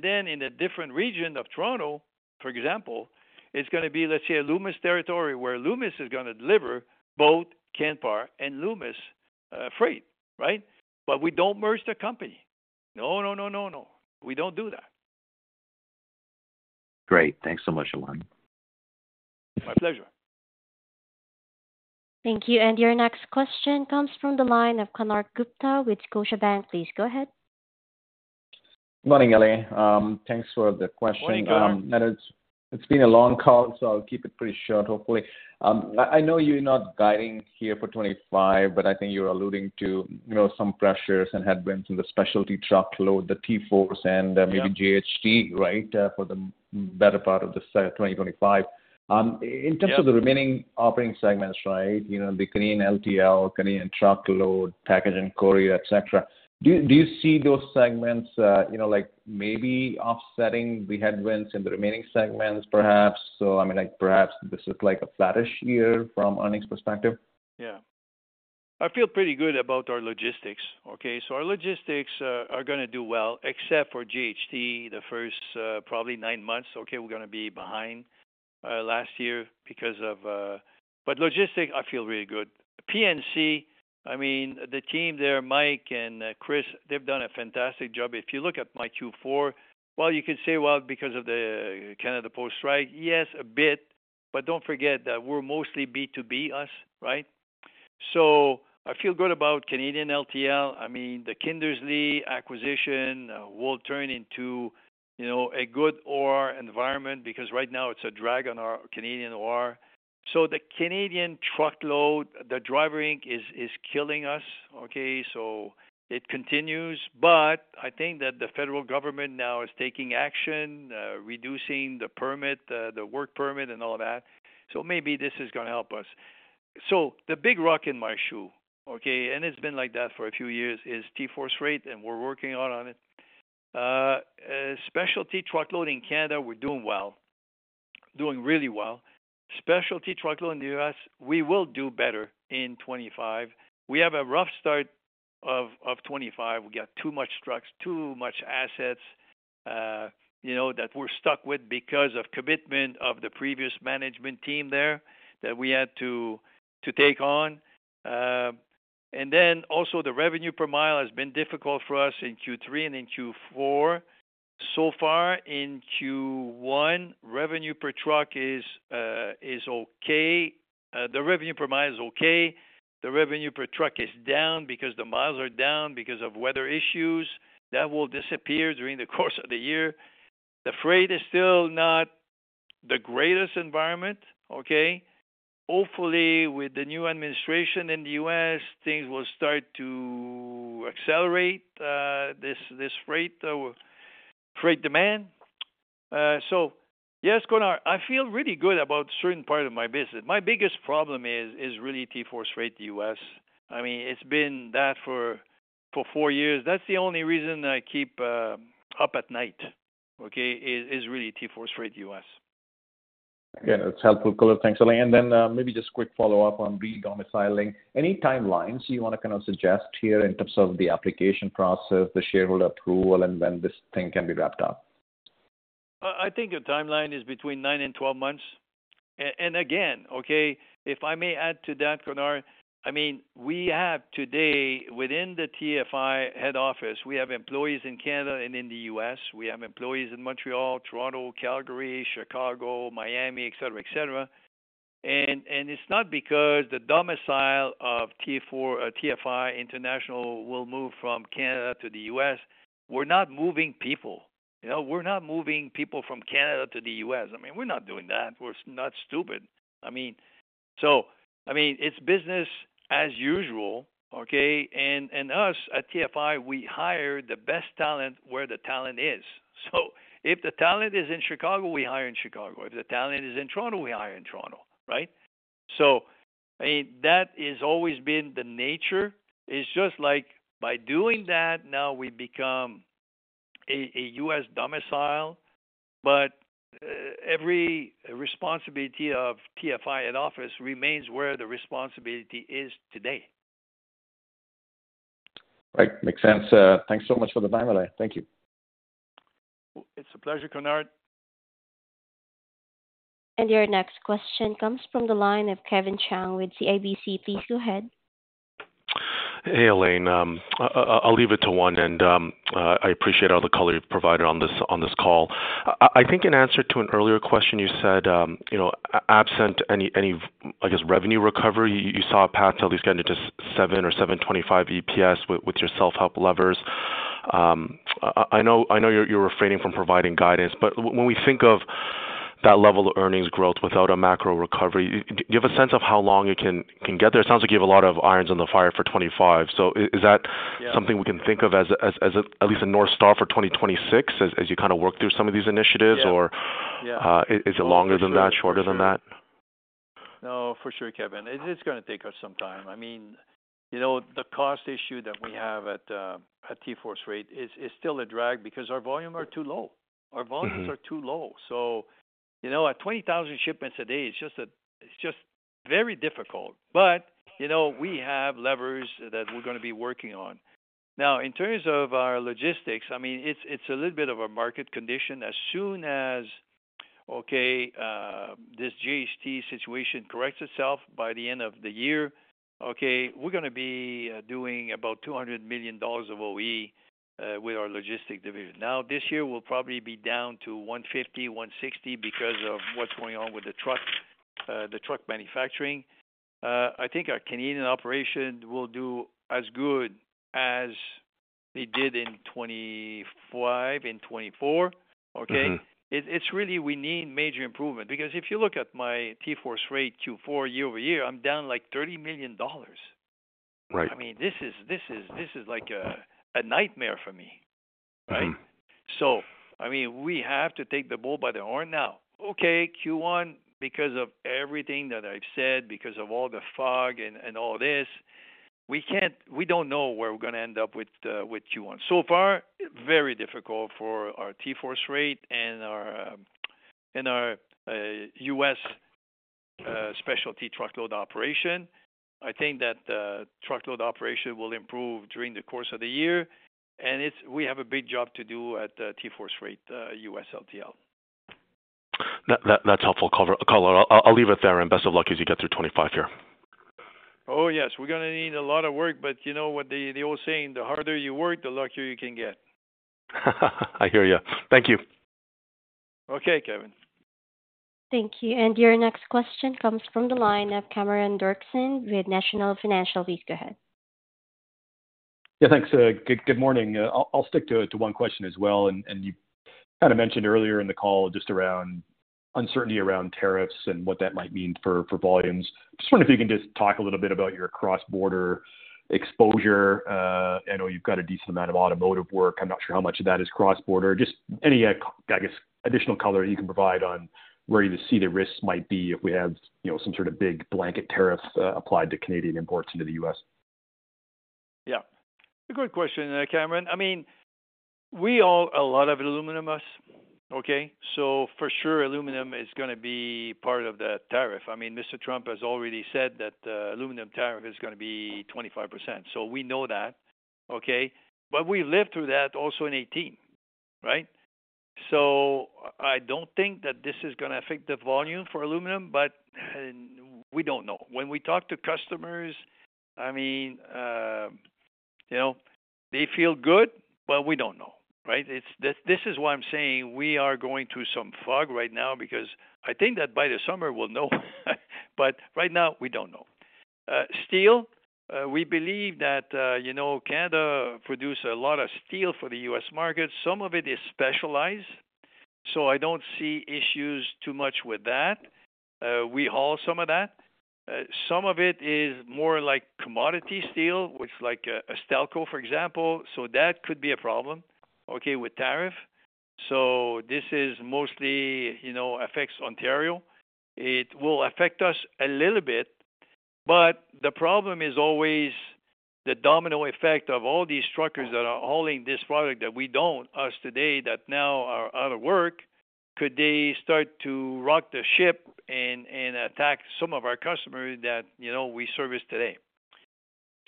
Then in a different region of Toronto, for example, it's going to be, let's say, a Loomis territory where Loomis is going to deliver both Canpar and Loomis freight, right? But we don't merge the company. No, no, no, no, no. We don't do that. Great. Thanks so much, Alain Bédard. My pleasure. Thank you. And your next question comes from the line of Konark Gupta with Scotiabank. Please go ahead. Morning, Alain Bédard. Thanks for the question. Morning, Alain Bédard. It's been a long call, so I'll keep it pretty short, hopefully. I know you're not guiding here for 25, but I think you're alluding to some pressures and headwinds in the specialty truckload, the TForce's Freight and maybe JHT, right, for the better part of the 2025. In terms of the remaining operating segments, right, the Canadian LTL, Canadian truckload, package and courier, etc., do you see those segments maybe offsetting the headwinds in the remaining segments, perhaps? So I mean, perhaps this is like a flattish year from earnings perspective? Yeah. I feel pretty good about our logistics, okay? So our logistics are going to do well, except for JHT, the first probably nine months, okay, we're going to be behind last year because of but logistics, I feel really good. P&C, I mean, the team there, Mike and Chris, they've done a fantastic job. If you look at my Q4, well, you could say, "Well, because of the Canada Post strike," yes, a bit, but don't forget that we're mostly B2B, us, right? So I feel good about Canadian LTL. I mean, the Kindersley acquisition will turn into a good OR environment because right now it's a drag on our Canadian OR. So the Canadian truckload, the Driver Inc. is killing us, okay? So it continues, but I think that the federal government now is taking action, reducing the permit, the work permit, and all of that. So maybe this is going to help us. So the big rock in my shoe, okay, and it's been like that for a few years, is TForce Freight, and we're working hard on it. Specialty truckload in Canada, we're doing well, doing really well. Specialty truckload in the U.S., we will do better in 2025. We have a rough start of 2025. We got too much trucks, too much assets that we're stuck with because of commitment of the previous management team there that we had to take on. And then also the revenue per mile has been difficult for us in Q3 and in Q4. So far in Q1, revenue per truck is okay. The revenue per mile is okay. The revenue per truck is down because the miles are down because of weather issues. That will disappear during the course of the year. The freight is still not the greatest environment, okay? Hopefully, with the new administration in the U.S., things will start to accelerate this freight demand. So yes, Konark Gupta, I feel really good about a certain part of my business. My biggest problem is really TForce Freight, the U.S. I mean, it's been that for four years. That's the only reason I keep up at night, okay, is really TForce Freight, the U.S. Yeah. That's helpful, Connor. Thanks, Alain Bédard. And then maybe just a quick follow-up on re-domiciling. Any timelines you want to kind of suggest here in terms of the application process, the shareholder approval, and when this thing can be wrapped up? I think your timeline is between nine and 12 months. And again, okay, if I may add to that, Konark Gupta, I mean, we have today within the TFI head office, we have employees in Canada and in the U.S. We have employees in Montreal, Toronto, Calgary, Chicago, Miami, etc., etc. And it's not because the domicile of TFI International will move from Canada to the U.S. We're not moving people. We're not moving people from Canada to the U.S. I mean, we're not doing that. We're not stupid. I mean, so I mean, it's business as usual, okay? And us at TFI, we hire the best talent where the talent is. So if the talent is in Chicago, we hire in Chicago. If the talent is in Toronto, we hire in Toronto, right? So I mean, that has always been the nature. It's just like by doing that, now we become a U.S. domicile, but every responsibility of TFI head office remains where the responsibility is today. Right. Makes sense. Thanks so much for the time, Alain Bédard. Thank you. It's a pleasure, Konark Gupta. Your next question comes from the line of Kevin Chiang with CIBC. Please go ahead. Hey, Alain Bédard. I'll leave it to. And I appreciate all the color you've provided on this call. I think in answer to an earlier question, you said absent any, I guess, revenue recovery, you saw a path to at least getting to 7 or 7.25 EPS with your self-help levers. I know you're refraining from providing guidance, but when we think of that level of earnings growth without a macro recovery, do you have a sense of how long it can get there? It sounds like you have a lot of irons on the fire for 2025. So is that something we can think of as at least a North Star for 2026 as you kind of work through some of these initiatives, or is it longer than that, shorter than that? No, for sure, Kevin Chiang. It's going to take us some time. I mean, the cost issue that we have at TForce Freight is still a drag because our volumes are too low. Our volumes are too low. So at 20,000 shipments a day, it's just very difficult. But we have levers that we're going to be working on. Now, in terms of our logistics, I mean, it's a little bit of a market condition. As soon as, okay, this JHT situation corrects itself by the end of the year, okay, we're going to be doing about $200 million of OE with our logistics division. Now, this year, we'll probably be down to $150-$160 million because of what's going on with the truck manufacturing. I think our Canadian operation will do as good as it did in 2025, in 2024, okay? It's really we need major improvement because if you look at my TForce Freight Q4 year over year, I'm down like $30 million. I mean, this is like a nightmare for me, right? So I mean, we have to take the bull by the horn now. Okay, Q1, because of everything that I've said, because of all the fog and all this, we don't know where we're going to end up with Q1. So far, very difficult for our TForce Freight and our U.S., specialty truckload operation. I think that truckload operation will improve during the course of the year, and we have a big job to do at TForce Freight, U.S. LTL. That's helpful, Connor. I'll leave it there, and best of luck as you get through 2025 here. Oh, yes. We're going to need a lot of work, but you know what they all say? The harder you work, the luckier you can get. I hear you. Thank you. Okay, Kevin Chiang. Thank you. And your next question comes from the line of Cameron Doerksen with National Bank Financial. Go ahead. Yeah. Thanks. Good morning. I'll stick to one question as well, and you kind of mentioned earlier in the call just around uncertainty around tariffs and what that might mean for volumes. Just wondering if you can just talk a little bit about your cross-border exposure. I know you've got a decent amount of automotive work. I'm not sure how much of that is cross-border. Just any, I guess, additional color you can provide on where you see the risks might be if we have some sort of big blanket tariff applied to Canadian imports into the U.S.? Yeah. A good question, Cameron Doerksen. I mean, we haul a lot of aluminum, U.S., okay? So for sure, aluminum is going to be part of the tariff. I mean, Mr. Trump has already said that the aluminum tariff is going to be 25%. So we know that, okay? But we lived through that also in 2018, right? So I don't think that this is going to affect the volume for aluminum, but we don't know. When we talk to customers, I mean, they feel good, but we don't know, right? This is why I'm saying we are going through some fog right now because I think that by the summer, we'll know. But right now, we don't know. Steel, we believe that Canada produces a lot of steel for the U.S., market. Some of it is specialized. So I don't see issues too much with that. We haul some of that. Some of it is more like commodity steel, which is like a Stelco, for example. So that could be a problem, okay, with tariff. So this mostly affects Ontario. It will affect us a little bit, but the problem is always the domino effect of all these truckers that are hauling this product that we don't, us today, that now are out of work. Could they start to rock the ship and attack some of our customers that we service today?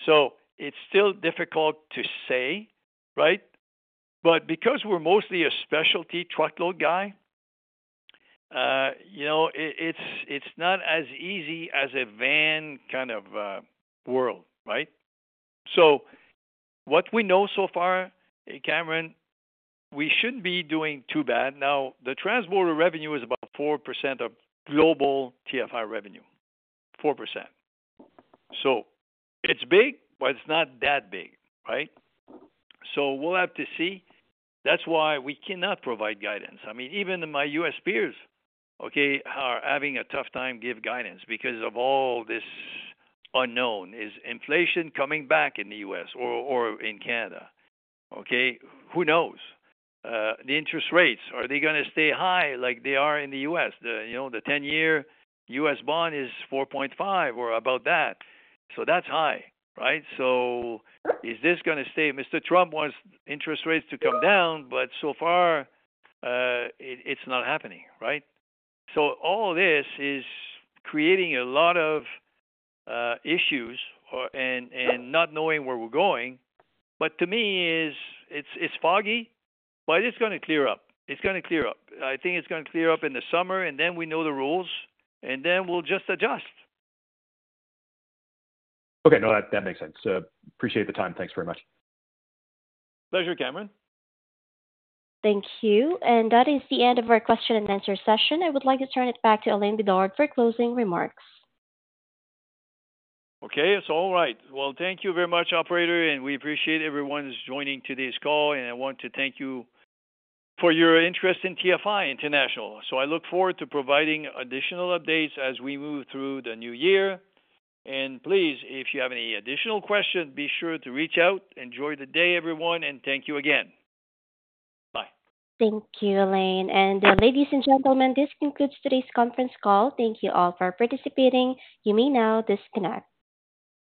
So it's still difficult to say, right? But because we're mostly a specialty truckload guy, it's not as easy as a van kind of world, right? So what we know so far, Cameron Doerksen, we shouldn't be doing too bad. Now, the transborder revenue is about 4% of global TFI revenue. 4%. So it's big, but it's not that big, right? So we'll have to see. That's why we cannot provide guidance. I mean, even my U.S., peers, okay, are having a tough time giving guidance because of all this unknown. Is inflation coming back in the U.S., or in Canada? Okay? Who knows? The interest rates, are they going to stay high like they are in the U.S.? The 10-year U.S., bond is 4.5 or about that. So that's high, right? So is this going to stay? Mr. Trump wants interest rates to come down, but so far, it's not happening, right? So all this is creating a lot of issues and not knowing where we're going. But to me, it's foggy, but it's going to clear up. It's going to clear up. I think it's going to clear up in the summer, and then we know the rules, and then we'll just adjust. Okay. No, that makes sense. Appreciate the time. Thanks very much. Pleasure, Cameron Doerksen. Thank you. And that is the end of our question and answer session. I would like to turn it back to Alain Bédard for closing remarks. Okay. That's all right. Well, thank you very much, operator, and we appreciate everyone joining today's call. And I want to thank you for your interest in TFI International. So I look forward to providing additional updates as we move through the new year. And please, if you have any additional questions, be sure to reach out. Enjoy the day, everyone, and thank you again. Bye. Thank you, Alain Bédard. And ladies and gentlemen, this concludes today's conference call. Thank you all for participating. You may now disconnect.